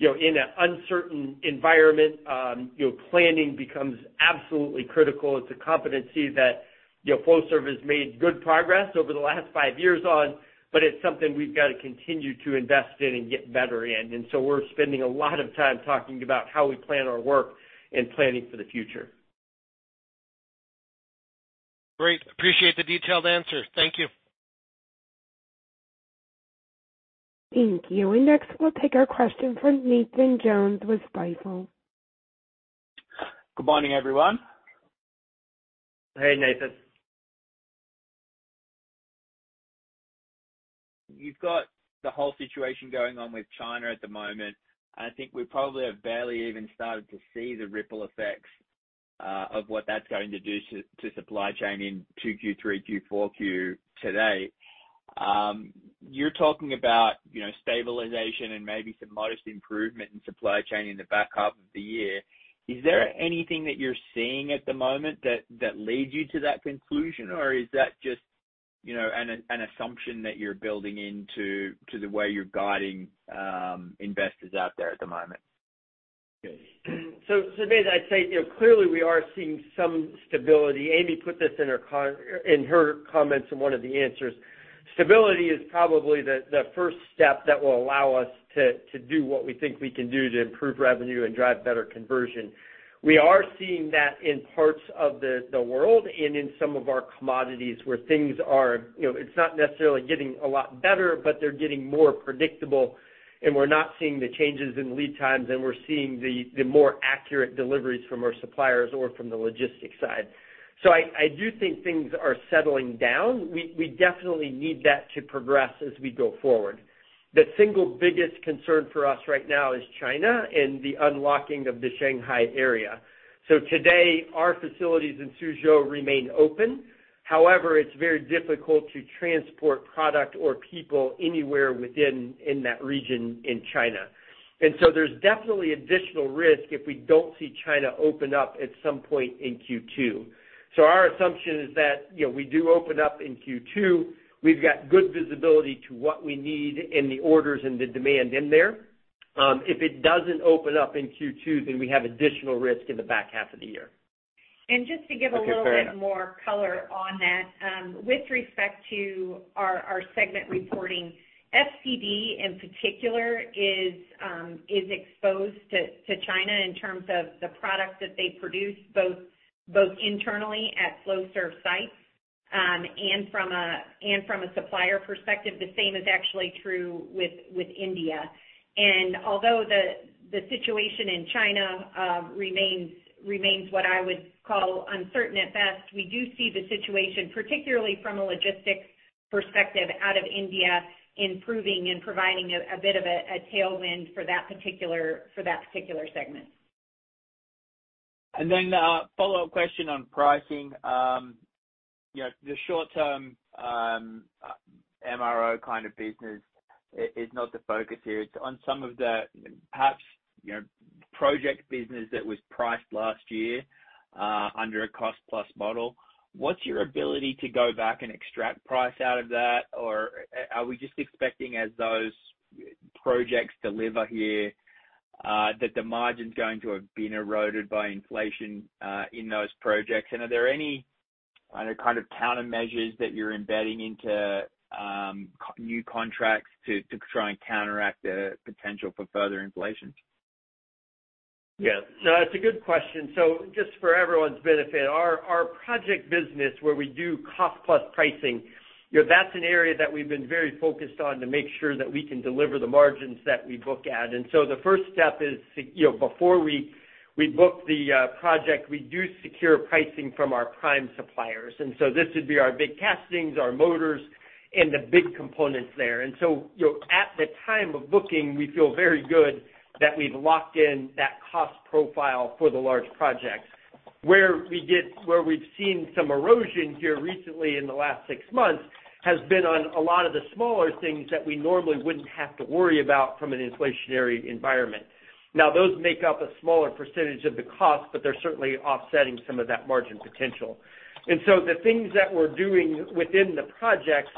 You know, in an uncertain environment, you know, planning becomes absolutely critical. It's a competency that, you know, Flowserve has made good progress over the last five years on, but it's something we've got to continue to invest in and get better in. We're spending a lot of time talking about how we plan our work and planning for the future. Great. Appreciate the detailed answer. Thank you. Thank you. Next, we'll take our question from Nathan Jones with Stifel. Good morning, everyone. Hey, Nathan. You've got the whole situation going on with China at the moment. I think we probably have barely even started to see the ripple effects of what that's going to do to supply chain in 2Q, 3Q, 4Q today. You're talking about, you know, stabilization and maybe some modest improvement in supply chain in the back half of the year. Is there anything that you're seeing at the moment that leads you to that conclusion? Or is that just, you know, an assumption that you're building into the way you're guiding investors out there at the moment? Nathan, I'd say, you know, clearly we are seeing some stability. Amy put this in her comments in one of the answers. Stability is probably the first step that will allow us to do what we think we can do to improve revenue and drive better conversion. We are seeing that in parts of the world and in some of our commodities where things are, you know, it's not necessarily getting a lot better, but they're getting more predictable, and we're not seeing the changes in lead times, and we're seeing the more accurate deliveries from our suppliers or from the logistics side. I do think things are settling down. We definitely need that to progress as we go forward. The single biggest concern for us right now is China and the unlocking of the Shanghai area. Today, our facilities in Suzhou remain open. However, it's very difficult to transport product or people anywhere within that region in China. There's definitely additional risk if we don't see China open up at some point in Q2. Our assumption is that, you know, we do open up in Q2. We've got good visibility to what we need in the orders and the demand in there. If it doesn't open up in Q2, then we have additional risk in the back half of the year. Just to give a little bit more color on that, with respect to our segment reporting, FCD in particular is exposed to China in terms of the products that they produce, both internally at Flowserve sites, and from a supplier perspective. The same is actually true with India. Although the situation in China remains what I would call uncertain at best, we do see the situation, particularly from a logistics perspective out of India, improving and providing a bit of a tailwind for that particular segment. A follow-up question on pricing. You know, the short term MRO kind of business is not the focus here. It's on some of the perhaps, you know, project business that was priced last year under a cost plus model. What's your ability to go back and extract price out of that? Are we just expecting as those projects deliver here that the margin's going to have been eroded by inflation in those projects? Are there any other kind of countermeasures that you're embedding into new contracts to try and counteract the potential for further inflation? Yeah. No, it's a good question. Just for everyone's benefit, our project business where we do cost plus pricing, you know, that's an area that we've been very focused on to make sure that we can deliver the margins that we book at. The first step is to, you know, before we book the project, we do secure pricing from our prime suppliers. This would be our big castings, our motors, and the big components there. You know, at the time of booking, we feel very good that we've locked in that cost profile for the large projects. Where we've seen some erosion here recently in the last six months has been on a lot of the smaller things that we normally wouldn't have to worry about from an inflationary environment. Now, those make up a smaller percentage of the cost, but they're certainly offsetting some of that margin potential. The things that we're doing within the projects,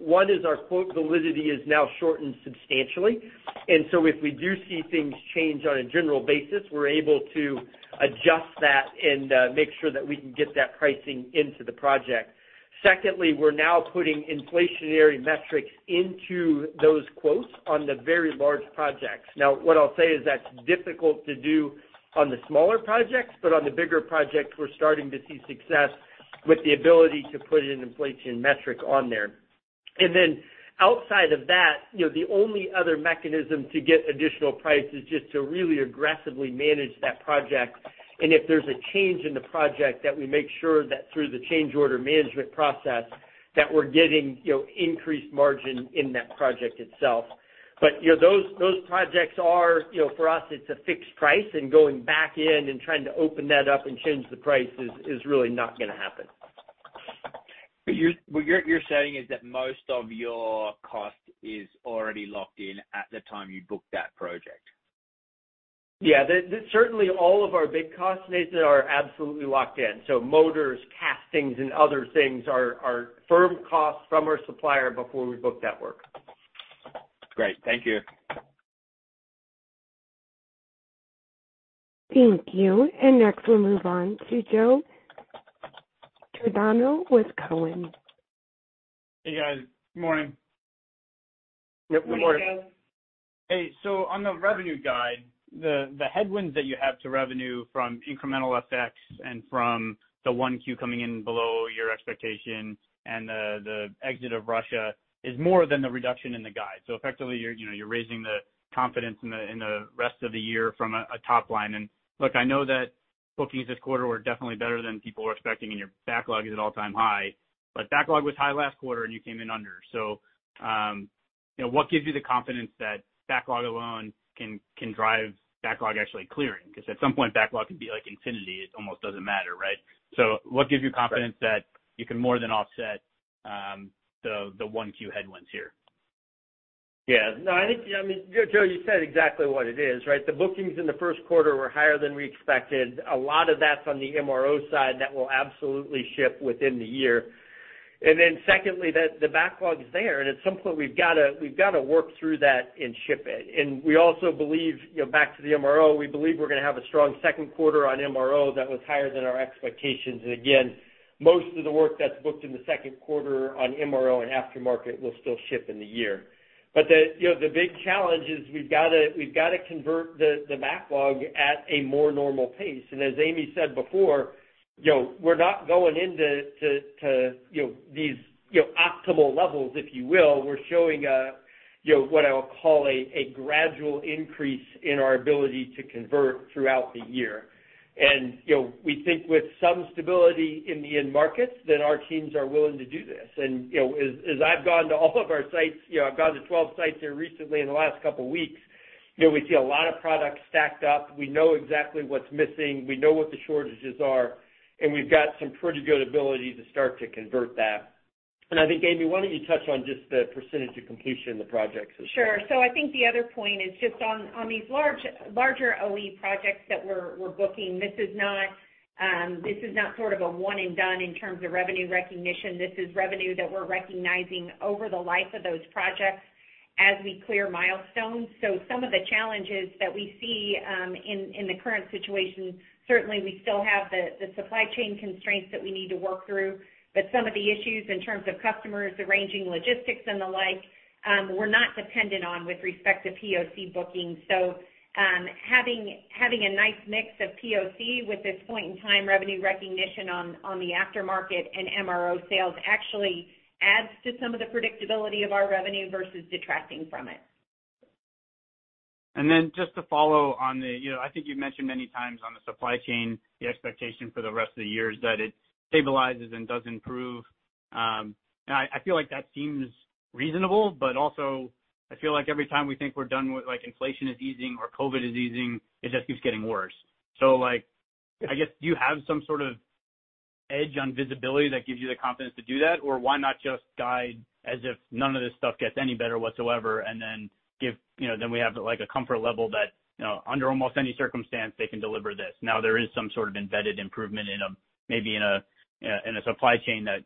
one is our quote validity is now shortened substantially. If we do see things change on a general basis, we're able to adjust that and make sure that we can get that pricing into the project. Secondly, we're now putting inflationary metrics into those quotes on the very large projects. Now, what I'll say is that's difficult to do on the smaller projects, but on the bigger projects, we're starting to see success with the ability to put an inflation metric on there. Outside of that, you know, the only other mechanism to get additional price is just to really aggressively manage that project. If there's a change in the project that we make sure that through the change order management process that we're getting, you know, increased margin in that project itself. You know, those projects are, you know, for us it's a fixed price, and going back in and trying to open that up and change the price is really not gonna happen. What you're saying is that most of your cost is already locked in at the time you book that project. Yeah. The certainly all of our big cost needs are absolutely locked in, so motors, castings and other things are firm costs from our supplier before we book that work. Great. Thank you. Thank you. Next, we'll move on to Joe Giordano with Cowen. Hey, guys. Good morning. Yep, good morning. Good morning, Joe. Hey. On the revenue guide, the headwinds that you have to revenue from incremental FX and from the 1Q coming in below your expectation and the exit of Russia is more than the reduction in the guide. Effectively you're, you know, you're raising the confidence in the rest of the year from a top line. Look, I know that bookings this quarter were definitely better than people were expecting, and your backlog is at all-time high. Backlog was high last quarter and you came in under. You know, what gives you the confidence that backlog alone can drive backlog actually clearing? Because at some point, backlog could be like infinity. It almost doesn't matter, right? What gives you confidence that you can more than offset the 1Q headwinds here? Yeah. No, I think, I mean, Joe, you said exactly what it is, right? The bookings in the first quarter were higher than we expected. A lot of that's on the MRO side. That will absolutely ship within the year. Secondly, that the backlog's there, and at some point we've got to work through that and ship it. We also believe, you know, back to the MRO, we believe we're gonna have a strong second quarter on MRO that was higher than our expectations. Again, most of the work that's booked in the second quarter on MRO and aftermarket will still ship in the year. You know, the big challenge is we've got to convert the backlog at a more normal pace. As Amy said before, you know, we're not going into to you know, these optimal levels, if you will. We're showing, you know, what I'll call a gradual increase in our ability to convert throughout the year. You know, we think with some stability in the end markets that our teams are willing to do this. You know, as I've gone to all of our sites, you know, I've gone to 12 sites here recently in the last couple weeks, you know, we see a lot of products stacked up. We know exactly what's missing, we know what the shortages are, and we've got some pretty good ability to start to convert that. I think, Amy, why don't you touch on just the percentage of completion of the projects as well? Sure. I think the other point is just on these large, larger OE projects that we're booking. This is not sort of a one and done in terms of revenue recognition. This is revenue that we're recognizing over the life of those projects as we clear milestones. Some of the challenges that we see in the current situation, certainly we still have the supply chain constraints that we need to work through. Some of the issues in terms of customers arranging logistics and the like, we're not dependent on with respect to POC bookings. Having a nice mix of POC with this point in time revenue recognition on the aftermarket and MRO sales actually adds to some of the predictability of our revenue versus detracting from it. Just to follow on the, you know, I think you've mentioned many times on the supply chain the expectation for the rest of the year is that it stabilizes and does improve. I feel like that seems reasonable, but also I feel like every time we think we're done with, like, inflation is easing or COVID is easing, it just keeps getting worse. Like, I guess, do you have some sort of edge on visibility that gives you the confidence to do that? Or why not just guide as if none of this stuff gets any better whatsoever, and then give, you know, then we have, like, a comfort level that, you know, under almost any circumstance they can deliver this. Now there is some sort of embedded improvement in a supply chain that,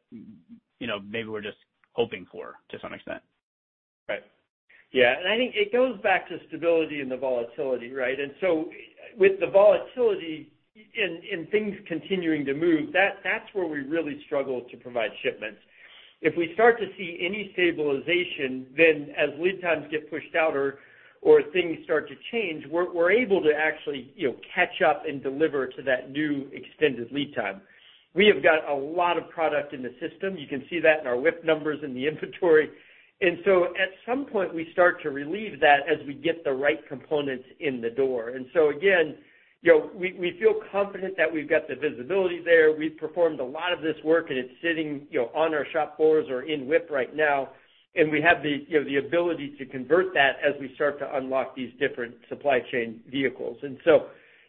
you know, maybe we're just hoping for to some extent. Right. Yeah. I think it goes back to stability and the volatility, right? With the volatility and things continuing to move, that's where we really struggle to provide shipments. If we start to see any stabilization, then as lead times get pushed out or things start to change, we're able to actually, you know, catch up and deliver to that new extended lead time. We have got a lot of product in the system. You can see that in our WIP numbers in the inventory. At some point, we start to relieve that as we get the right components in the door. Again, you know, we feel confident that we've got the visibility there. We've performed a lot of this work, and it's sitting, you know, on our shop floors or in WIP right now, and we have the, you know, the ability to convert that as we start to unlock these different supply chain vehicles.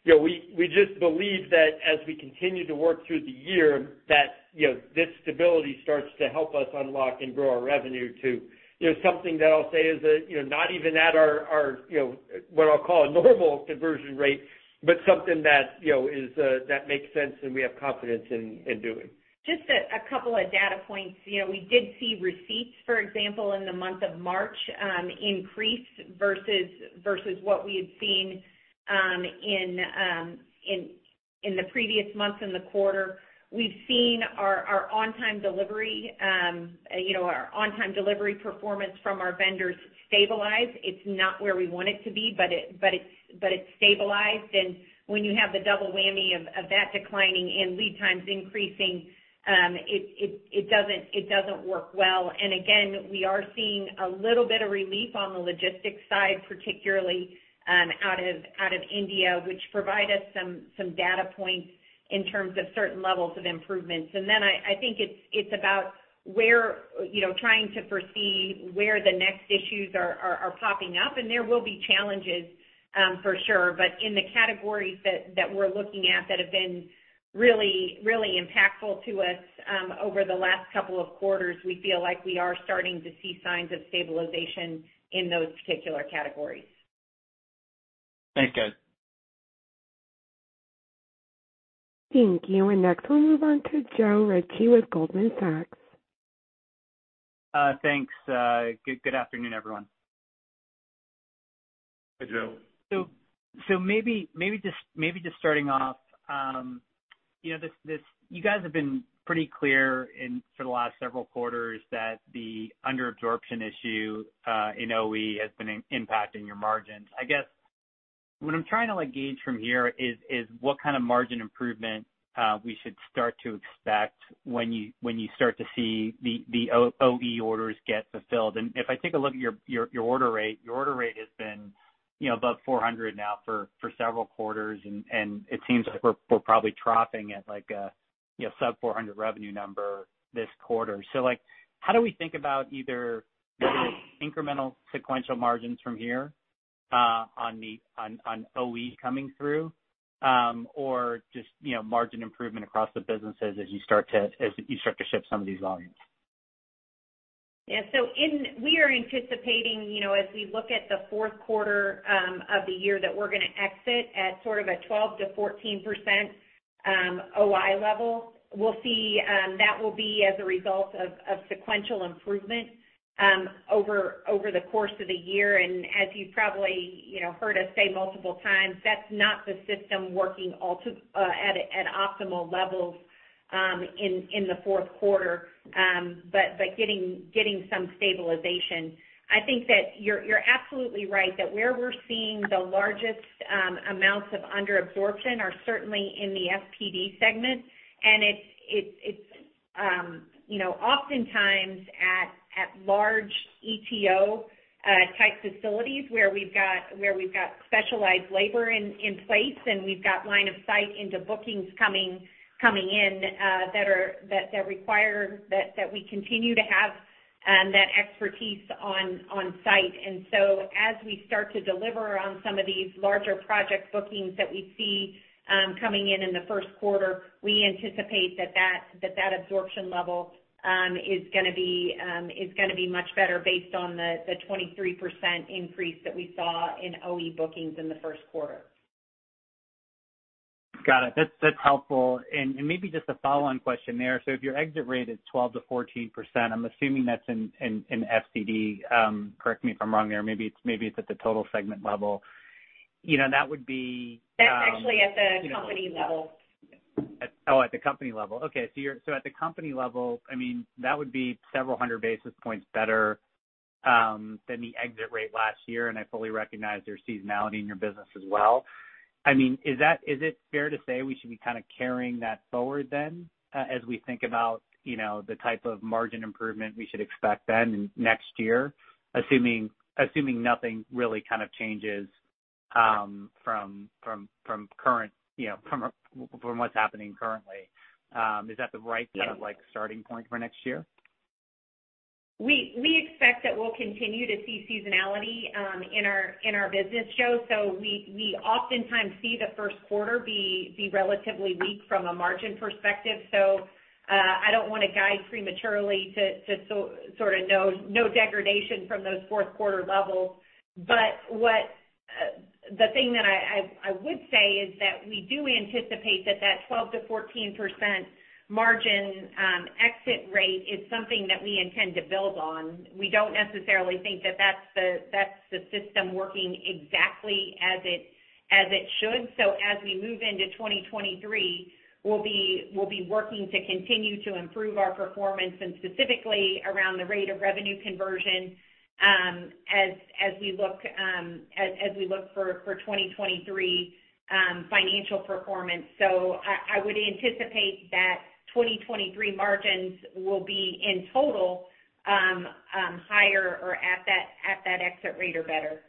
You know, we just believe that as we continue to work through the year, that, you know, this stability starts to help us unlock and grow our revenue to, you know, something that I'll say is that, you know, not even at our, you know, what I'll call a normal conversion rate, but something that, you know, is that makes sense and we have confidence in doing. Just a couple of data points. You know, we did see receipts, for example, in the month of March, increase versus what we had seen in the previous months in the quarter. We've seen our on-time delivery performance, you know, from our vendors stabilize. It's not where we want it to be, but it's stabilized. When you have the double whammy of that declining and lead times increasing, it doesn't work well. Again, we are seeing a little bit of relief on the logistics side, particularly out of India, which provide us some data points in terms of certain levels of improvements. I think it's about where, you know, trying to foresee where the next issues are popping up. There will be challenges, for sure. In the categories that we're looking at that have been really impactful to us, over the last couple of quarters, we feel like we are starting to see signs of stabilization in those particular categories. Thanks, guys. Thank you. Next, we'll move on to Joe Ritchie with Goldman Sachs. Thanks. Good afternoon, everyone. Hey, Joe. Maybe just starting off, you know, this you guys have been pretty clear in for the last several quarters that the under-absorption issue in OE has been impacting your margins. I guess what I'm trying to, like, gauge from here is what kind of margin improvement we should start to expect when you start to see the OE orders get fulfilled. If I take a look at your order rate, your order rate has been, you know, above 400 now for several quarters, and it seems like we're probably troughing at like a, you know, sub 400 revenue number this quarter. Like, how do we think about either incremental sequential margins from here, on OE coming through, or just, you know, margin improvement across the businesses as you start to ship some of these volumes? Yeah. We are anticipating, you know, as we look at the fourth quarter of the year, that we're gonna exit at sort of a 12%-14% OI level. We'll see, that will be as a result of sequential improvement over the course of the year. As you've probably, you know, heard us say multiple times, that's not the system working at optimal levels in the fourth quarter, but getting some stabilization. I think that you're absolutely right that where we're seeing the largest amounts of under absorption are certainly in the FPD segment. It's you know, oftentimes at large ETO type facilities where we've got specialized labor in place and we've got line of sight into bookings coming in that require that we continue to have that expertise on site. As we start to deliver on some of these larger project bookings that we see coming in in the first quarter, we anticipate that absorption level is gonna be much better based on the 23% increase that we saw in OE bookings in the first quarter. Got it. That's helpful. Maybe just a follow-on question there. If your exit rate is 12%-14%, I'm assuming that's in FCD. Correct me if I'm wrong there. Maybe it's at the total segment level. You know, that would be. That's actually at the company level. Oh, at the company level. Okay. At the company level, I mean, that would be several hundred basis points better than the exit rate last year, and I fully recognize there's seasonality in your business as well. I mean, is it fair to say we should be kinda carrying that forward then as we think about, you know, the type of margin improvement we should expect then next year, assuming nothing really kind of changes from current, you know, from what's happening currently. Is that the right kind of like starting point for next year? We expect that we'll continue to see seasonality in our business. We oftentimes see the first quarter be relatively weak from a margin perspective. I don't wanna guide prematurely to sort of no degradation from those fourth quarter levels. The thing that I would say is that we do anticipate that 12%-14% margin exit rate is something that we intend to build on. We don't necessarily think that that's the system working exactly as it should. As we move into 2023, we'll be working to continue to improve our performance, and specifically around the rate of revenue conversion, as we look for 2023 financial performance. I would anticipate that 2023 margins will be in total higher or at that exit rate or better.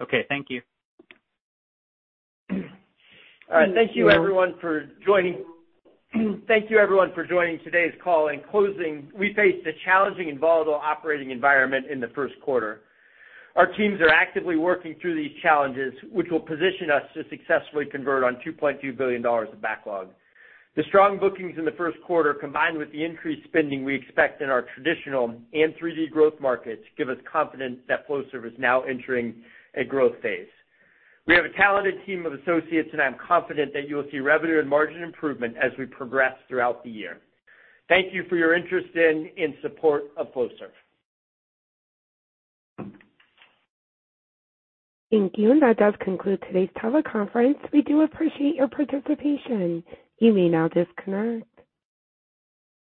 Okay. Thank you. All right. Thank you everyone for joining today's call. In closing, we faced a challenging and volatile operating environment in the first quarter. Our teams are actively working through these challenges, which will position us to successfully convert on $2.2 billion of backlog. The strong bookings in the first quarter, combined with the increased spending we expect in our traditional and 3D growth markets, give us confidence that Flowserve is now entering a growth phase. We have a talented team of associates, and I'm confident that you will see revenue and margin improvement as we progress throughout the year. Thank you for your interest in and support of Flowserve. Thank you. That does conclude today's teleconference. We do appreciate your participation. You may now disconnect.